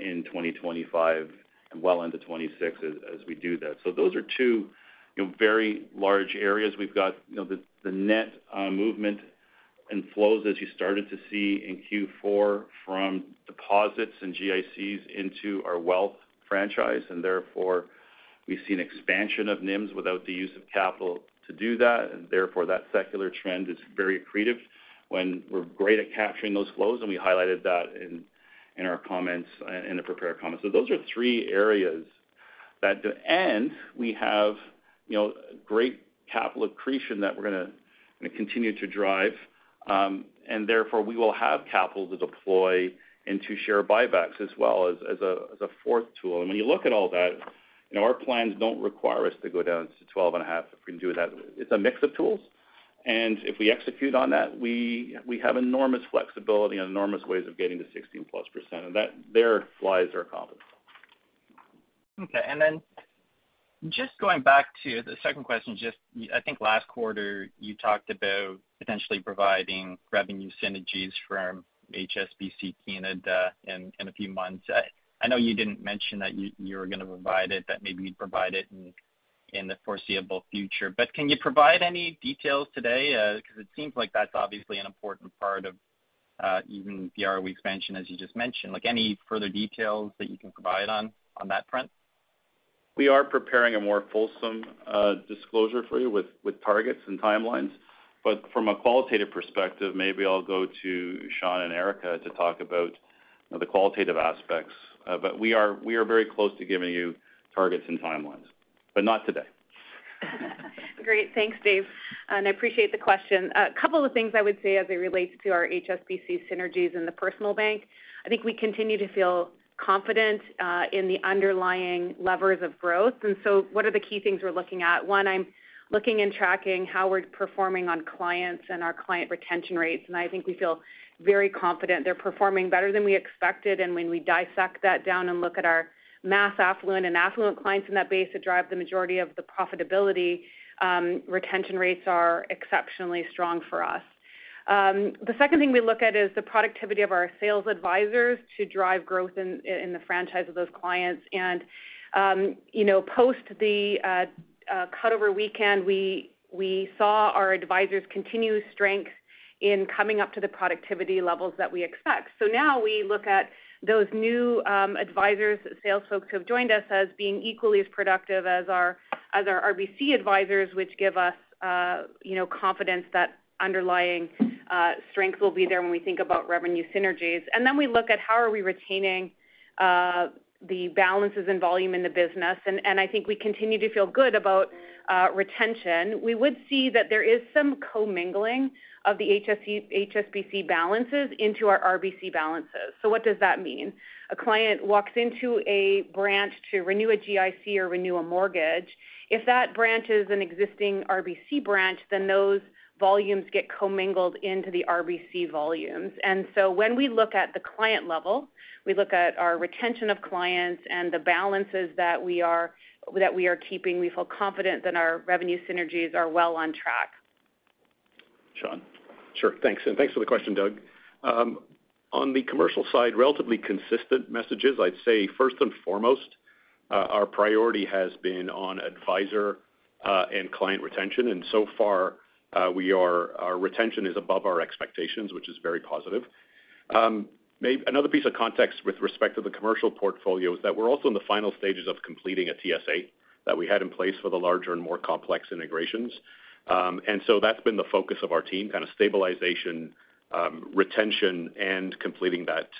in 2025 and well into 2026 as we do that. Those are two very large areas. We've got the net movement and flows as you started to see in Q4 from deposits and GICs into our wealth franchise. And therefore, we've seen expansion of NIMs without the use of capital to do that. And therefore, that secular trend is very accretive when we're great at capturing those flows. And we highlighted that in our comments in the prepared comments. So those are three areas that do. And we have great capital accretion that we're going to continue to drive. And therefore, we will have capital to deploy into share buybacks as well as a fourth tool. And when you look at all that, our plans don't require us to go down to 12.5% if we can do that. It's a mix of tools. And if we execute on that, we have enormous flexibility and enormous ways of getting to 16% plus. And there lies our confidence. Okay. And then just going back to the second question, just I think last quarter, you talked about potentially providing revenue synergies from HSBC Canada in a few months. I know you didn't mention that you were going to provide it, that maybe you'd provide it in the foreseeable future. But can you provide any details today? Because it seems like that's obviously an important part of even the ROE expansion, as you just mentioned. Any further details that you can provide on that front? We are preparing a more fulsome disclosure for you with targets and timelines. But from a qualitative perspective, maybe I'll go to Sean and Erica to talk about the qualitative aspects. But we are very close to giving you targets and timelines, but not today. Great. Thanks, Dave. And I appreciate the question. A couple of things I would say as it relates to our HSBC synergies and the personal bank. I think we continue to feel confident in the underlying levers of growth. And so what are the key things we're looking at? One, I'm looking and tracking how we're performing on clients and our client retention rates. And I think we feel very confident they're performing better than we expected. And when we dissect that down and look at our mass affluent and affluent clients in that base that drive the majority of the profitability, retention rates are exceptionally strong for us. The second thing we look at is the productivity of our sales advisors to drive growth in the franchise of those clients. And post the cutover weekend, we saw our advisors continue strength in coming up to the productivity levels that we expect. So now we look at those new advisors, sales folks who have joined us as being equally as productive as our RBC advisors, which give us confidence that underlying strength will be there when we think about revenue synergies. And then we look at how are we retaining the balances and volume in the business. And I think we continue to feel good about retention. We would see that there is some co-mingling of the HSBC balances into our RBC balances. So what does that mean? A client walks into a branch to renew a GIC or renew a mortgage. If that branch is an existing RBC branch, then those volumes get co-mingled into the RBC volumes. And so when we look at the client level, we look at our retention of clients and the balances that we are keeping, we feel confident that our revenue synergies are well on track. Sean. Sure. Thanks. And thanks for the question, Doug. On the commercial side, relatively consistent messages. I'd say first and foremost, our priority has been on advisor and client retention. So far, our retention is above our expectations, which is very positive. Another piece of context with respect to the commercial portfolio is that we're also in the final stages of completing a TSA that we had in place for the larger and more complex integrations. That's been the focus of our team, kind of stabilization, retention, and completing that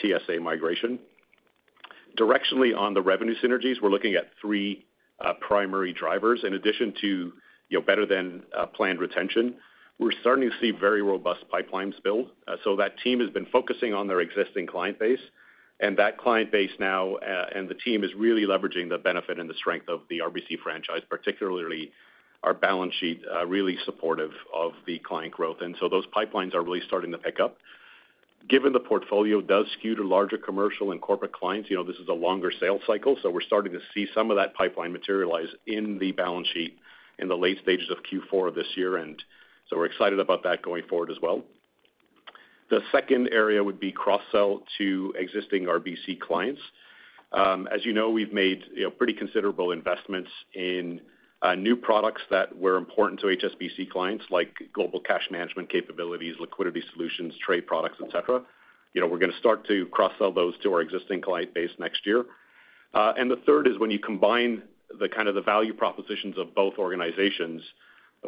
TSA migration. Directionally on the revenue synergies, we're looking at three primary drivers. In addition to better than planned retention, we're starting to see very robust pipelines build. That team has been focusing on their existing client base. That client base now and the team is really leveraging the benefit and the strength of the RBC franchise, particularly our balance sheet really supportive of the client growth. Those pipelines are really starting to pick up. Given the portfolio does skew to larger commercial and corporate clients, this is a longer sales cycle. So we're starting to see some of that pipeline materialize in the balance sheet in the late stages of Q4 of this year. And so we're excited about that going forward as well. The second area would be cross-sell to existing RBC clients. As you know, we've made pretty considerable investments in new products that were important to HSBC clients, like global cash management capabilities, liquidity solutions, trade products, etc. We're going to start to cross-sell those to our existing client base next year. And the third is when you combine the kind of the value propositions of both organizations,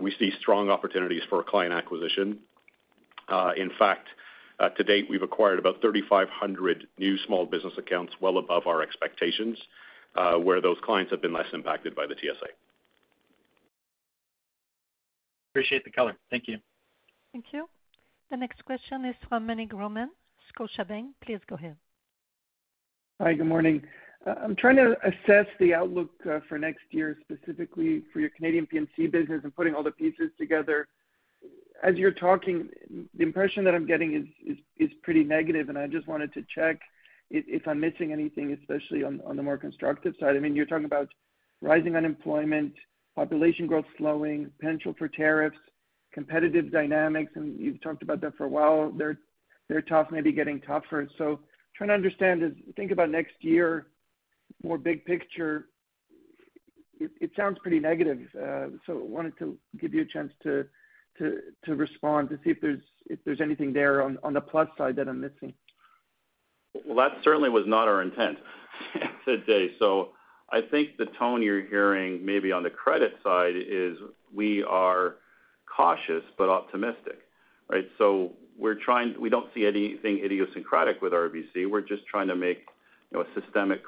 we see strong opportunities for client acquisition. In fact, to date, we've acquired about 3,500 new small business accounts well above our expectations, where those clients have been less impacted by the TSA. Appreciate the color. Thank you. Thank you. The next question is from Meny Grauman, Scotiabank. Please go ahead. Hi, good morning. I'm trying to assess the outlook for next year, specifically for your Canadian P&C business and putting all the pieces together. As you're talking, the impression that I'm getting is pretty negative. And I just wanted to check if I'm missing anything, especially on the more constructive side. I mean, you're talking about rising unemployment, population growth slowing, potential for tariffs, competitive dynamics. And you've talked about that for a while. They're tough, maybe getting tougher. So, trying to understand as we think about next year, more big picture. It sounds pretty negative. So I wanted to give you a chance to respond, to see if there's anything there on the plus side that I'm missing. Well, that certainly was not our intent today. So I think the tone you're hearing maybe on the credit side is we are cautious but optimistic, right? We don't see anything idiosyncratic with RBC. We're just trying to make a systemic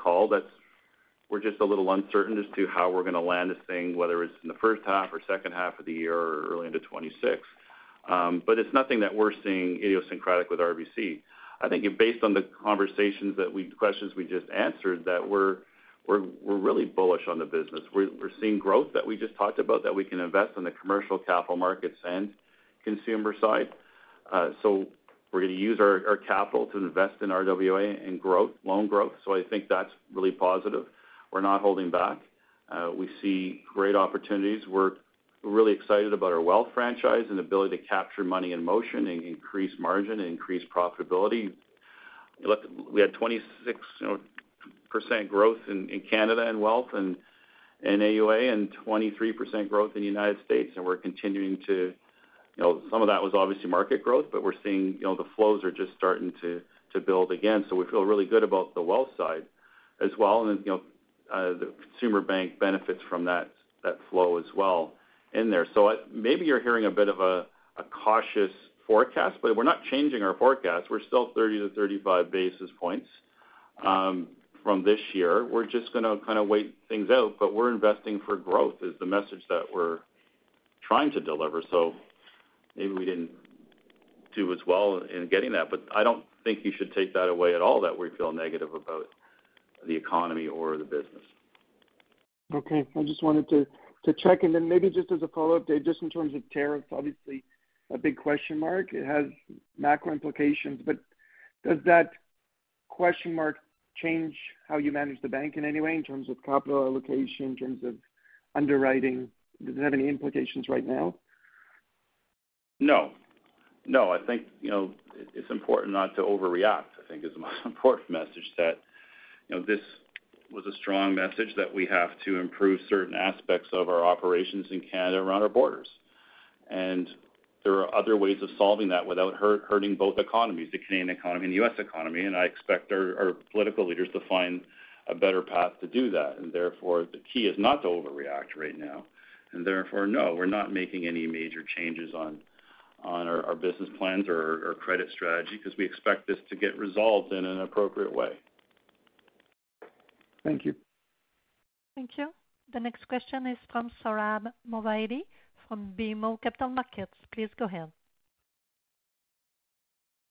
call that we're just a little uncertain as to how we're going to land this thing, whether it's in the first half or second half of the year or early into 2026. But it's nothing that we're seeing idiosyncratic with RBC. I think based on the conversations and the questions we just answered, that we're really bullish on the business. We're seeing growth that we just talked about that we can invest in the commercial capital markets and consumer side. We're going to use our capital to invest in RWA and growth, loan growth. I think that's really positive. We're not holding back. We see great opportunities. We're really excited about our wealth franchise and ability to capture money in motion and increase margin and increase profitability. Look, we had 26% growth in Canada and wealth and AUA and 23% growth in the United States, and we're continuing to some of that was obviously market growth, but we're seeing the flows are just starting to build again, so we feel really good about the wealth side as well, and the consumer bank benefits from that flow as well in there, so maybe you're hearing a bit of a cautious forecast, but we're not changing our forecast. We're still 30 to 35 basis points from this year. We're just going to kind of wait things out, but we're investing for growth is the message that we're trying to deliver, so maybe we didn't do as well in getting that. But I don't think you should take that away at all that we feel negative about the economy or the business. Okay. I just wanted to check. And then maybe just as a follow-up, Dave, just in terms of tariffs, obviously a big question mark. It has macro implications. But does that question mark change how you manage the bank in any way in terms of capital allocation, in terms of underwriting? Does it have any implications right now? No. No. I think it's important not to overreact, I think, is the most important message that this was a strong message that we have to improve certain aspects of our operations in Canada around our borders. And there are other ways of solving that without hurting both economies, the Canadian economy and the U.S. economy. And I expect our political leaders to find a better path to do that. Therefore, the key is not to overreact right now. Therefore, no, we're not making any major changes on our business plans or credit strategy because we expect this to get resolved in an appropriate way. Thank you. Thank you. The next question is from Sohrabh Movahedi from BMO Capital Markets. Please go ahead.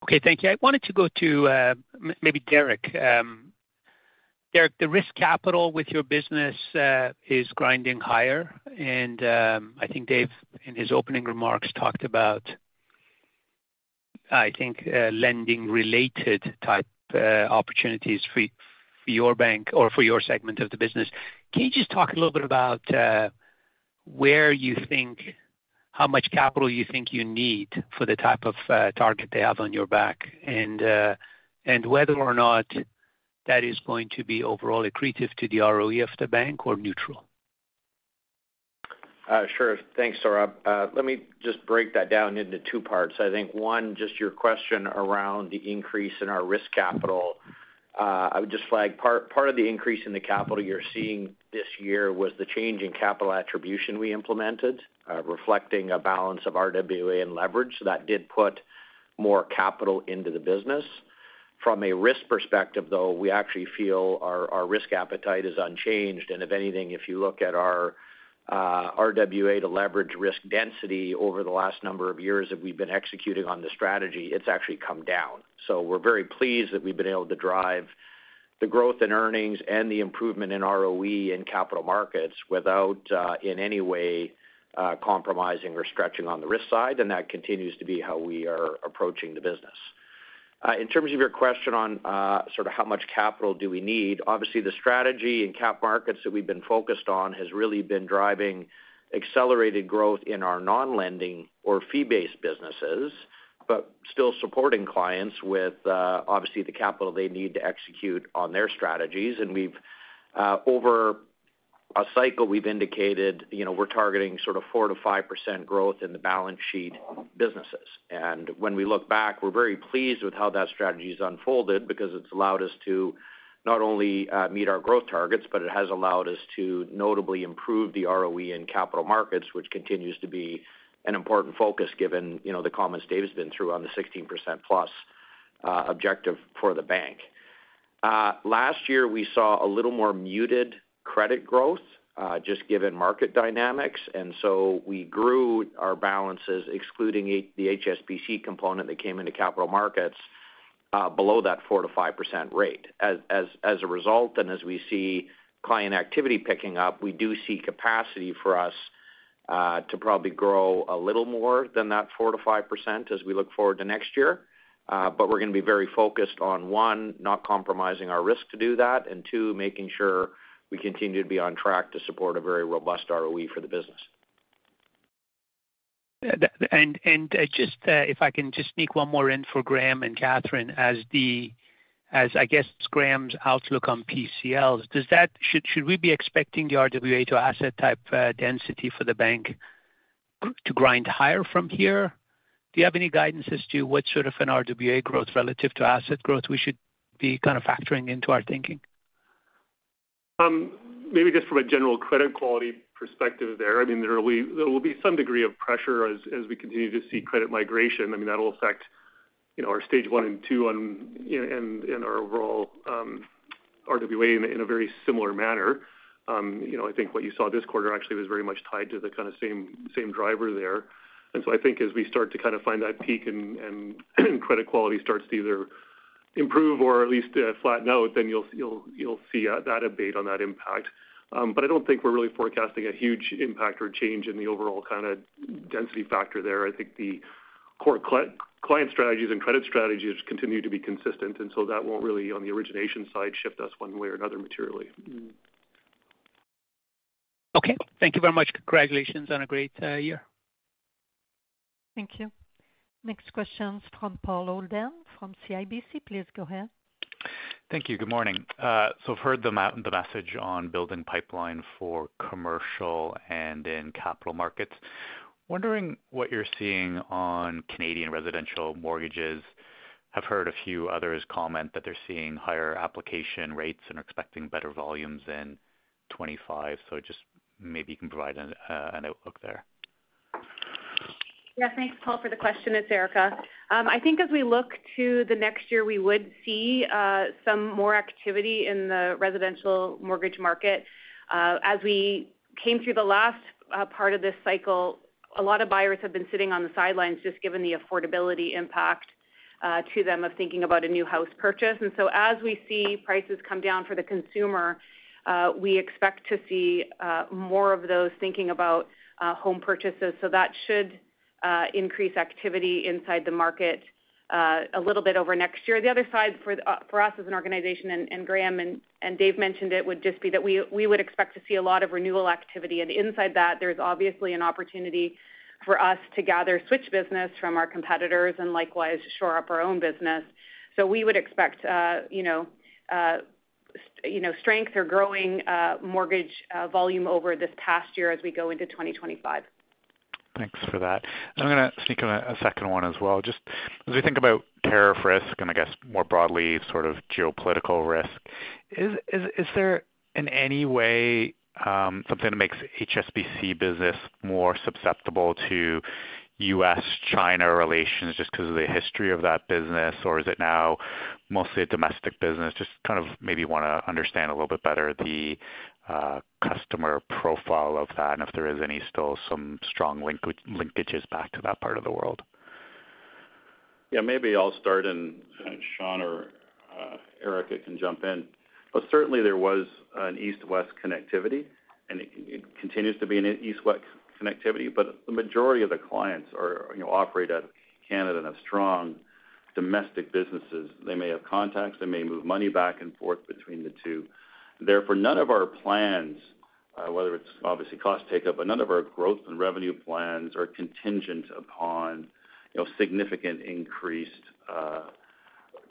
Okay. Thank you. I wanted to go to maybe Derek. Derek, the risk capital with your business is grinding higher. And I think Dave, in his opening remarks, talked about, I think, lending-related type opportunities for your bank or for your segment of the business. Can you just talk a little bit about where you think how much capital you think you need for the type of target they have on your back and whether or not that is going to be overall accretive to the ROE of the bank or neutral? Sure. Thanks, Sohrabh. Let me just break that down into two parts. I think one, just your question around the increase in our risk capital. I would just flag part of the increase in the capital you're seeing this year was the change in capital attribution we implemented, reflecting a balance of RWA and leverage. So that did put more capital into the business. From a risk perspective, though, we actually feel our risk appetite is unchanged. And if anything, if you look at our RWA to leverage risk density over the last number of years that we've been executing on the strategy, it's actually come down. So we're very pleased that we've been able to drive the growth in earnings and the improvement in ROE and capital markets without in any way compromising or stretching on the risk side. And that continues to be how we are approaching the business. In terms of your question on sort of how much capital do we need, obviously, the strategy in Capital Markets that we've been focused on has really been driving accelerated growth in our non-lending or fee-based businesses, but still supporting clients with, obviously, the capital they need to execute on their strategies. And over a cycle, we've indicated we're targeting sort of 4%-5% growth in the balance sheet businesses. And when we look back, we're very pleased with how that strategy has unfolded because it's allowed us to not only meet our growth targets, but it has allowed us to notably improve the ROE in Capital Markets, which continues to be an important focus given the comments Dave has been through on the 16% plus objective for the bank. Last year, we saw a little more muted credit growth just given market dynamics. And so we grew our balances, excluding the HSBC component that came into capital markets, below that 4%-5% rate. As a result, and as we see client activity picking up, we do see capacity for us to probably grow a little more than that 4%-5% as we look forward to next year. But we're going to be very focused on, one, not compromising our risk to do that, and two, making sure we continue to be on track to support a very robust ROE for the business. And just if I can just sneak one more in for Graeme and Katherine, as I guess Graeme's outlook on PCLs, should we be expecting the RWA to asset type density for the bank to grind higher from here? Do you have any guidance as to what sort of an RWA growth relative to asset growth we should be kind of factoring into our thinking? Maybe just from a general credit quality perspective there. I mean, there will be some degree of pressure as we continue to see credit migration. I mean, that will affect our stage one and two and our overall RWA in a very similar manner. I think what you saw this quarter actually was very much tied to the kind of same driver there. And so I think as we start to kind of find that peak and credit quality starts to either improve or at least flatten out, then you'll see that abate on that impact. But I don't think we're really forecasting a huge impact or change in the overall kind of density factor there. I think the core client strategies and credit strategies continue to be consistent, and so that won't really, on the origination side, shift us one way or another materially. Okay. Thank you very much. Congratulations on a great year. Thank you. Next question is from Paul Holden from CIBC. Please go ahead. Thank you. Good morning, so I've heard the message on building pipeline for commercial and in capital markets. Wondering what you're seeing on Canadian residential mortgages. I've heard a few others comment that they're seeing higher application rates and are expecting better volumes in 2025, so just maybe you can provide an outlook there. Yeah. Thanks, Paul, for the question. It's Erica. I think as we look to the next year, we would see some more activity in the residential mortgage market. As we came through the last part of this cycle, a lot of buyers have been sitting on the sidelines just given the affordability impact to them of thinking about a new house purchase. And so as we see prices come down for the consumer, we expect to see more of those thinking about home purchases. So that should increase activity inside the market a little bit over next year. The other side for us as an organization, and Graeme and Dave mentioned it, would just be that we would expect to see a lot of renewal activity. And inside that, there's obviously an opportunity for us to gather switch business from our competitors and likewise shore up our own business. So we would expect strength or growing mortgage volume over this past year as we go into 2025. Thanks for that. I'm going to sneak in a second one as well. Just as we think about tariff risk and, I guess, more broadly sort of geopolitical risk, is there in any way something that makes HSBC business more susceptible to U.S.-China relations just because of the history of that business, or is it now mostly a domestic business? Just kind of maybe want to understand a little bit better the customer profile of that and if there is any still some strong linkages back to that part of the world. Yeah. Maybe I'll start, and Sean or Erica can jump in. But certainly, there was an east-west connectivity, and it continues to be an east-west connectivity. But the majority of the clients operate out of Canada and have strong domestic businesses. They may have contacts. They may move money back and forth between the two. Therefore, none of our plans, whether it's obviously cost take-up, but none of our growth and revenue plans are contingent upon significant increased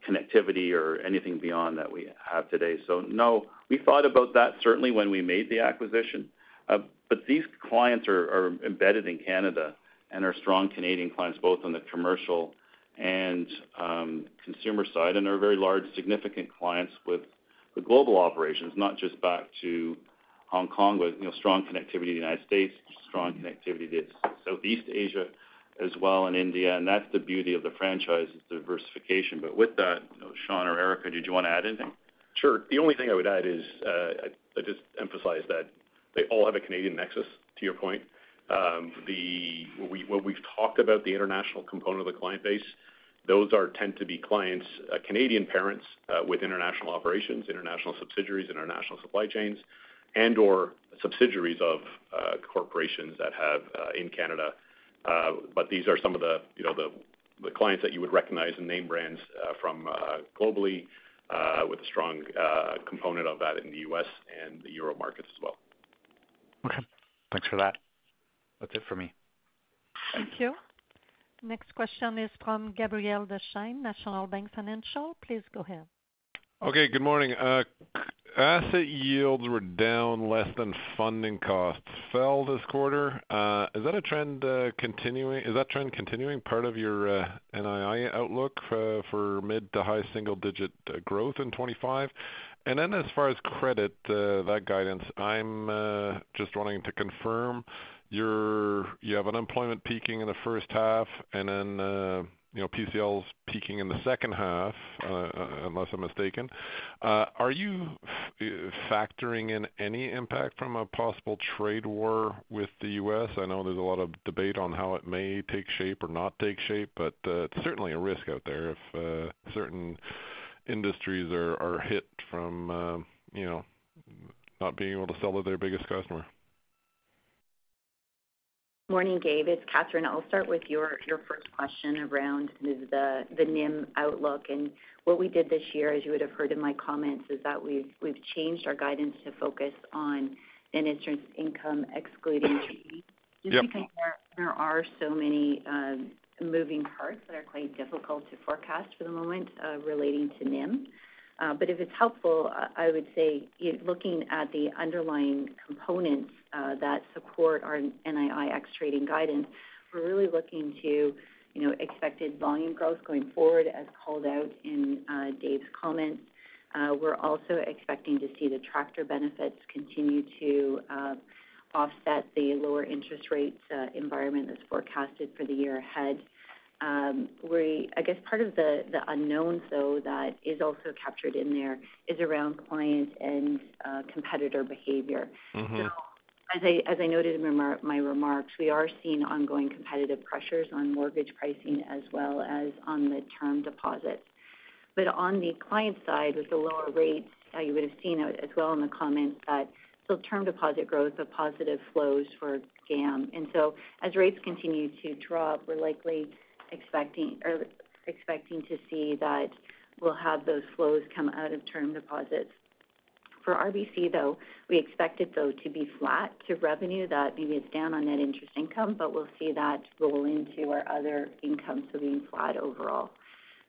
connectivity or anything beyond that we have today. So no, we thought about that certainly when we made the acquisition. But these clients are embedded in Canada and are strong Canadian clients, both on the commercial and consumer side, and are very large, significant clients with the global operations, not just back to Hong Kong with strong connectivity to the United States, strong connectivity to Southeast Asia as well and India. And that's the beauty of the franchise, is diversification. But with that, Sean or Erica, did you want to add anything? Sure. The only thing I would add is I just emphasize that they all have a Canadian nexus, to your point. What we've talked about, the international component of the client base, those tend to be clients, Canadian parents with international operations, international subsidiaries, international supply chains, and/or subsidiaries of corporations that have in Canada. But these are some of the clients that you would recognize and name brands from globally with a strong component of that in the US and the euro markets as well. Okay. Thanks for that. That's it for me. Thank you. Next question is from Gabriel Dechaine, National Bank Financial. Please go ahead. Okay. Good morning. Asset yields were down less than funding costs fell this quarter. Is that a trend continuing? Is that trend continuing part of your NII outlook for mid to high single-digit growth in 2025? And then as far as credit, that guidance, I'm just wanting to confirm you have unemployment peaking in the first half and then PCLs peaking in the second half, unless I'm mistaken. Are you factoring in any impact from a possible trade war with the U.S.? I know there's a lot of debate on how it may take shape or not take shape, but it's certainly a risk out there if certain industries are hit from not being able to sell to their biggest customer. Good morning, Dave. It's Katherine. I'll start with your first question around the NIM outlook. And what we did this year, as you would have heard in my comments, is that we've changed our guidance to focus on an interest income excluding Trading. Just because there are so many moving parts that are quite difficult to forecast for the moment relating to NIM. But if it's helpful, I would say looking at the underlying components that support our NII outlook guidance, we're really looking to expected volume growth going forward, as called out in Dave's comments. We're also expecting to see the structural benefits continue to offset the lower interest rate environment that's forecasted for the year ahead. I guess part of the unknown, though, that is also captured in there is around client and competitor behavior. So as I noted in my remarks, we are seeing ongoing competitive pressures on mortgage pricing as well as on the term deposits. But on the client side, with the lower rates, you would have seen as well in the comments that solid term deposit growth, but positive flows for GAM. And so as rates continue to drop, we're likely expecting to see that we'll have those flows come out of term deposits. For RBC, though, we expect it, though, to be flat to revenue. That maybe it's down on net interest income, but we'll see that roll into our other income, so being flat overall.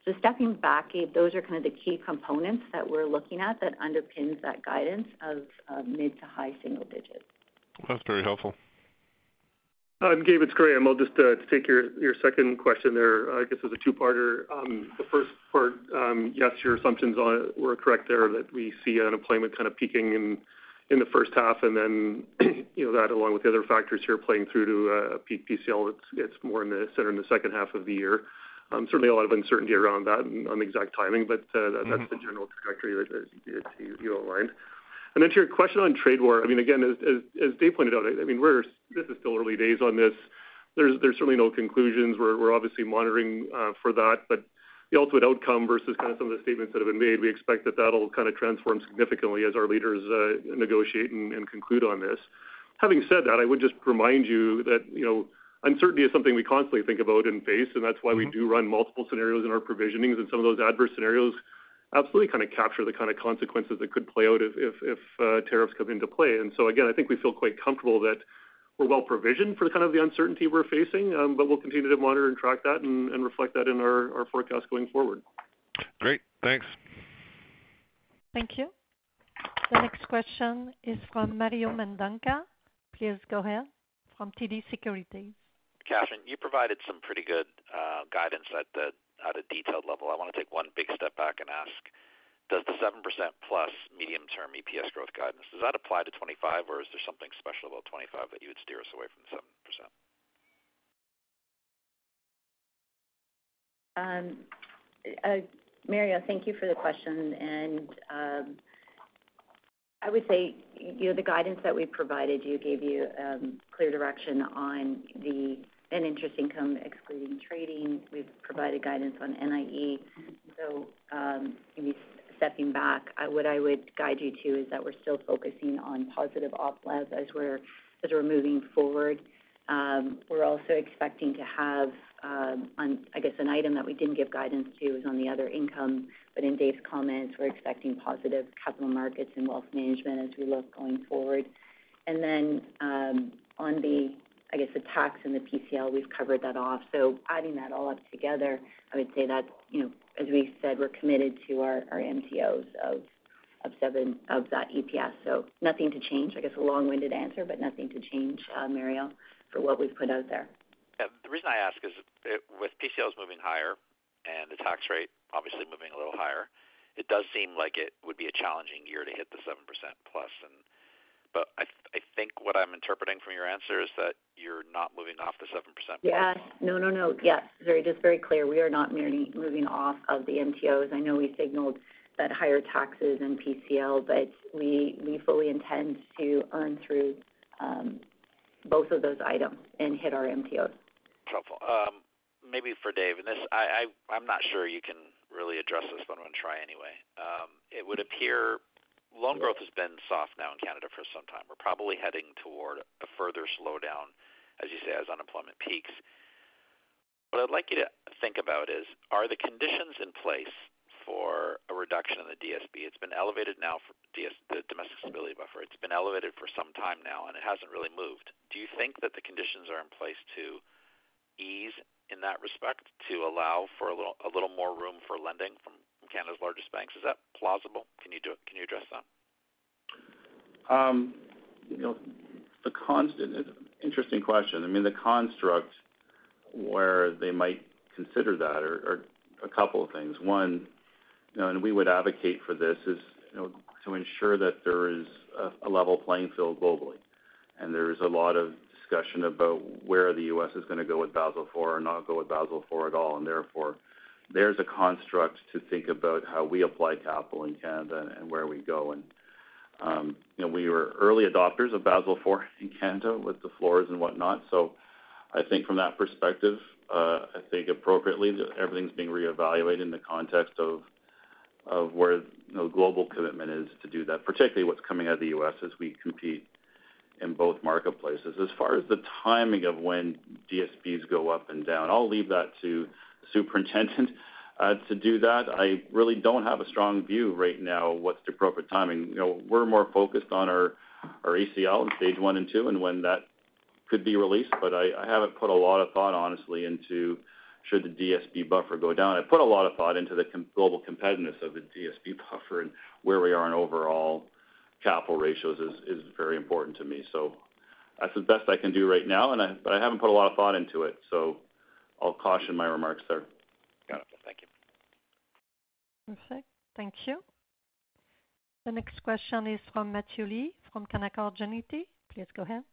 So stepping back, Gabe, those are kind of the key components that we're looking at that underpins that guidance of mid to high single digits. That's very helpful. I'm Gabe. It's Graeme. I'll just take your second question there. I guess it's a two-parter. The first part, yes, your assumptions were correct there that we see unemployment kind of peaking in the first half, and then that along with the other factors here playing through to peak PCL. It's more in the center in the second half of the year. Certainly, a lot of uncertainty around that and on the exact timing, but that's the general trajectory that you outlined. And then to your question on trade war, I mean, again, as Dave pointed out, I mean, this is still early days on this. There's certainly no conclusions. We're obviously monitoring for that. But the ultimate outcome versus kind of some of the statements that have been made, we expect that that'll kind of transform significantly as our leaders negotiate and conclude on this. Having said that, I would just remind you that uncertainty is something we constantly think about and face, and that's why we do run multiple scenarios in our provisionings. And some of those adverse scenarios absolutely kind of capture the kind of consequences that could play out if tariffs come into play. And so again, I think we feel quite comfortable that we're well provisioned for kind of the uncertainty we're facing, but we'll continue to monitor and track that and reflect that in our forecast going forward. Great. Thanks. Thank you. The next question is from Mario Mendonca. Please go ahead. From TD Securities. Katherine, you provided some pretty good guidance at a detailed level. I want to take one big step back and ask, does the 7% plus medium-term EPS growth guidance, does that apply to 2025, or is there something special about 2025 that you would steer us away from the 7%? Mario, thank you for the question. And I would say the guidance that we provided, we gave you clear direction on the net interest income excluding trading. We've provided guidance on NIE. So, maybe stepping back, what I would guide you to is that we're still focusing on positive oplev as we're moving forward. We're also expecting to have, I guess, an item that we didn't give guidance to is on the other income. But in Dave's comments, we're expecting positive capital markets and wealth management as we look going forward. And then on the, I guess, the tax and the PCL, we've covered that off. So adding that all up together, I would say that, as we said, we're committed to our MTOs of that EPS. So nothing to change. I guess a long-winded answer, but nothing to change, Mario, for what we've put out there. The reason I ask is with PCLs moving higher and the tax rate obviously moving a little higher, it does seem like it would be a challenging year to hit the 7% plus. But, I think what I'm interpreting from your answer is that you're not moving off the 7% plus. Yes. No, no, no. Yes. Just very clear. We are not moving off of the MTOs. I know we signaled that higher taxes and PCL, but we fully intend to earn through both of those items and hit our MTOs. Helpful. Maybe for Dave, and I'm not sure you can really address this, but I'm going to try anyway. It would appear loan growth has been soft now in Canada for some time. We're probably heading toward a further slowdown, as you say, as unemployment peaks. What I'd like you to think about is, are the conditions in place for a reduction in the DSB? It's been elevated now for the domestic stability buffer. It's been elevated for some time now, and it hasn't really moved. Do you think that the conditions are in place to ease in that respect, to allow for a little more room for lending from Canada's largest banks? Is that plausible? Can you address that? Interesting question. I mean, the construct where they might consider that are a couple of things. One, and we would advocate for this, is to ensure that there is a level playing field globally, and there is a lot of discussion about where the U.S. is going to go with Basel IV or not go with Basel IV at all, and therefore, there's a construct to think about how we apply capital in Canada and where we go, and we were early adopters of Basel IV in Canada with the floors and whatnot. So I think from that perspective, I think appropriately, everything's being reevaluated in the context of where the global commitment is to do that, particularly what's coming out of the U.S. as we compete in both marketplaces. As far as the timing of when DSBs go up and down, I'll leave that to the superintendent to do that. I really don't have a strong view right now of what's the appropriate timing. We're more focused on our ACL in stage one and two and when that could be released. But I haven't put a lot of thought, honestly, into should the DSB buffer go down. I put a lot of thought into the global competitiveness of the DSB buffer and where we are in overall capital ratios is very important to me. So that's the best I can do right now, but I haven't put a lot of thought into it. So I'll caution my remarks there. Got it. Thank you. Perfect. Thank you. The next question is from Matthew Lee from Canaccord Genuity. Please go ahead.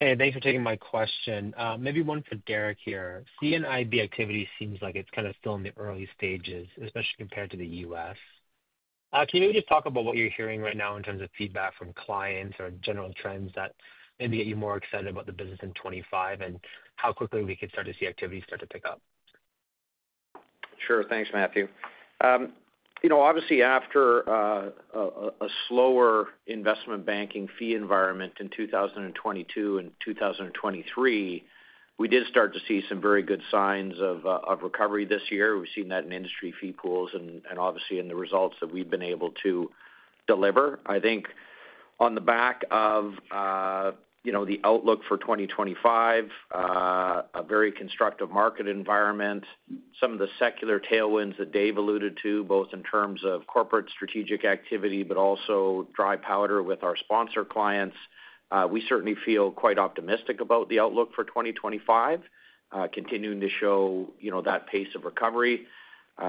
Hey, thanks for taking my question. Maybe one for Derek here. M&A activity seems like it's kind of still in the early stages, especially compared to the U.S. Can you maybe just talk about what you're hearing right now in terms of feedback from clients or general trends that maybe get you more excited about the business in 2025 and how quickly we could start to see activity start to pick up? Sure. Thanks, Matthew. Obviously, after a slower investment banking fee environment in 2022 and 2023, we did start to see some very good signs of recovery this year. We've seen that in industry fee pools and obviously in the results that we've been able to deliver. I think on the back of the outlook for 2025, a very constructive market environment, some of the secular tailwinds that Dave alluded to, both in terms of corporate strategic activity, but also dry powder with our sponsor clients, we certainly feel quite optimistic about the outlook for 2025, continuing to show that pace of recovery.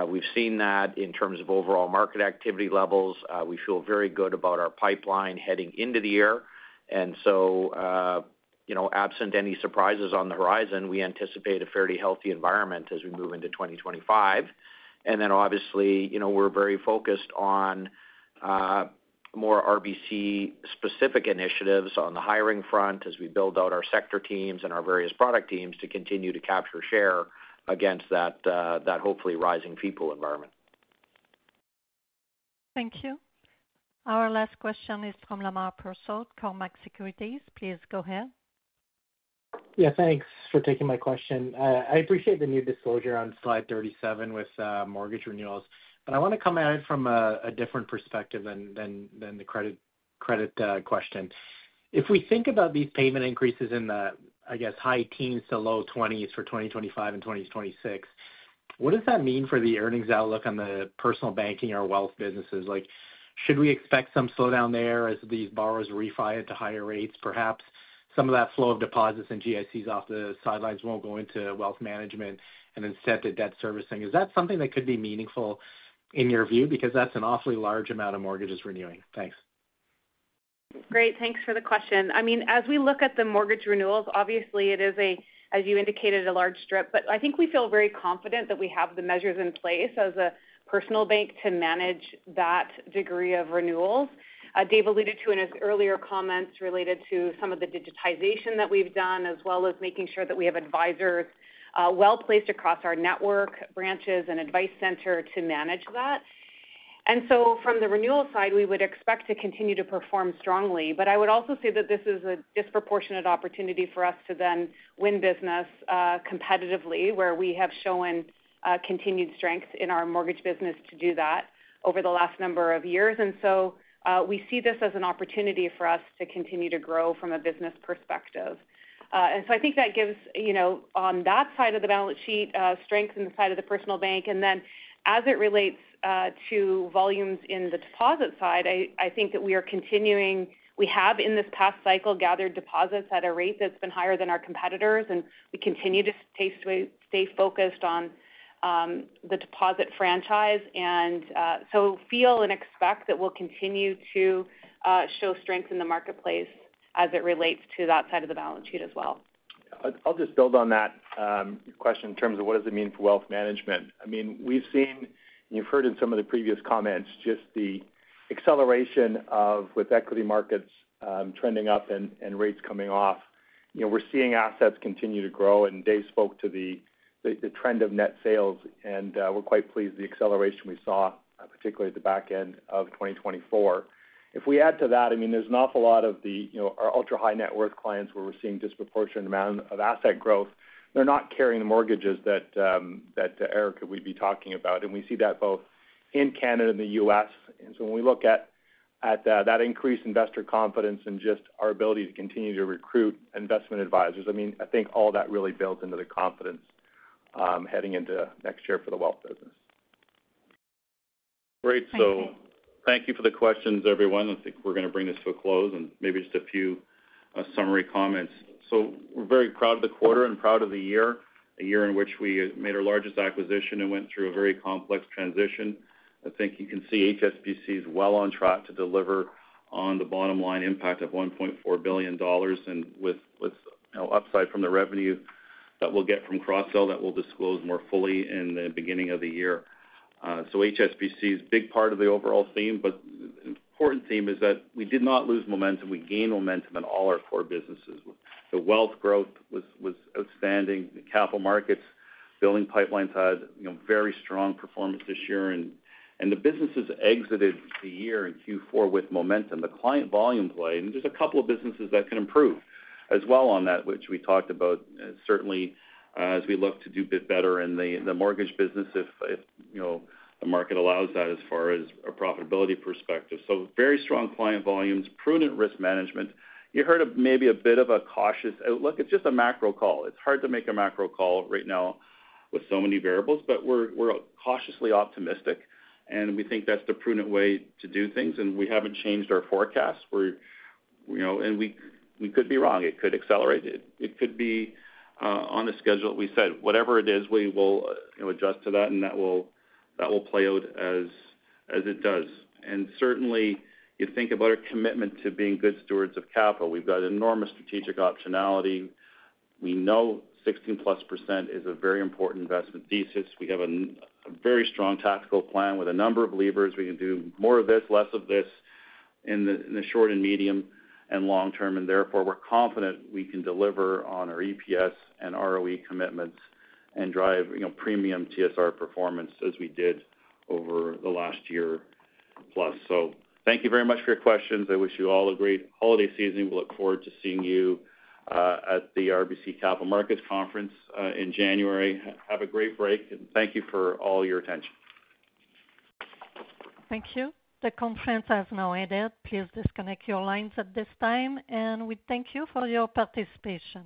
We've seen that in terms of overall market activity levels. We feel very good about our pipeline heading into the year. And so absent any surprises on the horizon, we anticipate a fairly healthy environment as we move into 2025. And then obviously, we're very focused on more RBC-specific initiatives on the hiring front as we build out our sector teams and our various product teams to continue to capture share against that hopefully rising fee pool environment. Thank you. Our last question is from Lemar Persaud at Cormark Securities. Please go ahead. Yeah. Thanks for taking my question. I appreciate the new disclosure on slide 37 with mortgage renewals, but I want to come at it from a different perspective than the credit question. If we think about these payment increases in the—I guess—high teens to low 20s for 2025 and 2026, what does that mean for the earnings outlook on the personal banking or wealth businesses? Should we expect some slowdown there as these borrowers refi into higher rates? Perhaps some of that flow of deposits and GICs off the sidelines won't go into wealth management and instead to debt servicing. Is that something that could be meaningful in your view? Because that's an awfully large amount of mortgages renewing. T hanks. Great. Thanks for the question. I mean, as we look at the mortgage renewals, obviously, it is, as you indicated, a large drip, but I think we feel very confident that we have the measures in place as a personal bank to manage that degree of renewals. Dave alluded to in his earlier comments related to some of the digitization that we've done, as well as making sure that we have advisors well placed across our network branches and advice center to manage that. And so from the renewal side, we would expect to continue to perform strongly. But I would also say that this is a disproportionate opportunity for us to then win business competitively, where we have shown continued strength in our mortgage business to do that over the last number of years. We see this as an opportunity for us to continue to grow from a business perspective. That gives, on that side of the balance sheet, strength on the side of the personal bank. As it relates to volumes in the deposit side, I think that we have in this past cycle gathered deposits at a rate that's been higher than our competitors, and we continue to stay focused on the deposit franchise. We feel and expect that we'll continue to show strength in the marketplace as it relates to that side of the balance sheet as well. I'll just build on that question in terms of what does it mean for wealth management. I mean, we've seen, and you've heard in some of the previous comments, just the acceleration of with equity markets trending up and rates coming off. We're seeing assets continue to grow, and Dave spoke to the trend of net sales, and we're quite pleased with the acceleration we saw, particularly at the back end of 2024. If we add to that, I mean, there's an awful lot of our ultra-high net worth clients where we're seeing disproportionate amount of asset growth. They're not carrying the mortgages that Erica would be talking about. And we see that both in Canada and the U.S. And so when we look at that increased investor confidence and just our ability to continue to recruit investment advisors, I mean, I think all that really builds into the confidence heading into next year for the wealth business. Great, so thank you for the questions, everyone. I think we're going to bring this to a close and maybe just a few summary comments, so we're very proud of the quarter and proud of the year, a year in which we made our largest acquisition and went through a very complex transition. I think you can see HSBC is well on track to deliver on the bottom line impact of 1.4 billion dollars, and with upside from the revenue that we'll get from cross-sell that we'll disclose more fully in the beginning of the year. So HSBC is a big part of the overall theme, but the important theme is that we did not lose momentum. We gained momentum in all our core businesses. The wealth growth was outstanding. The capital markets billing pipelines had very strong performance this year. And the businesses exited the year in Q4 with momentum. The client volume played, and there's a couple of businesses that can improve as well on that, which we talked about certainly as we look to do a bit better in the mortgage business if the market allows that as far as a profitability perspective. So very strong client volumes, prudent risk management. You heard maybe a bit of a cautious look. It's just a macro call. It's hard to make a macro call right now with so many variables, but we're cautiously optimistic, and we think that's the prudent way to do things. We haven't changed our forecast, and we could be wrong. It could accelerate. It could be on the schedule that we said. Whatever it is, we will adjust to that, and that will play out as it does. Certainly, you think about our commitment to being good stewards of capital. We've got enormous strategic optionality. We know 16+% is a very important investment thesis. We have a very strong tactical plan with a number of levers. We can do more of this, less of this in the short and medium and long term. Therefore, we're confident we can deliver on our EPS and ROE commitments and drive premium TSR performance as we did over the last year plus. Thank you very much for your questions. I wish you all a great holiday season. We look forward to seeing you at the RBC Capital Markets Conference in January. Have a great break, and thank you for all your attention. Thank you. The conference has now ended. Please disconnect your lines at this time, and we thank you for your participation.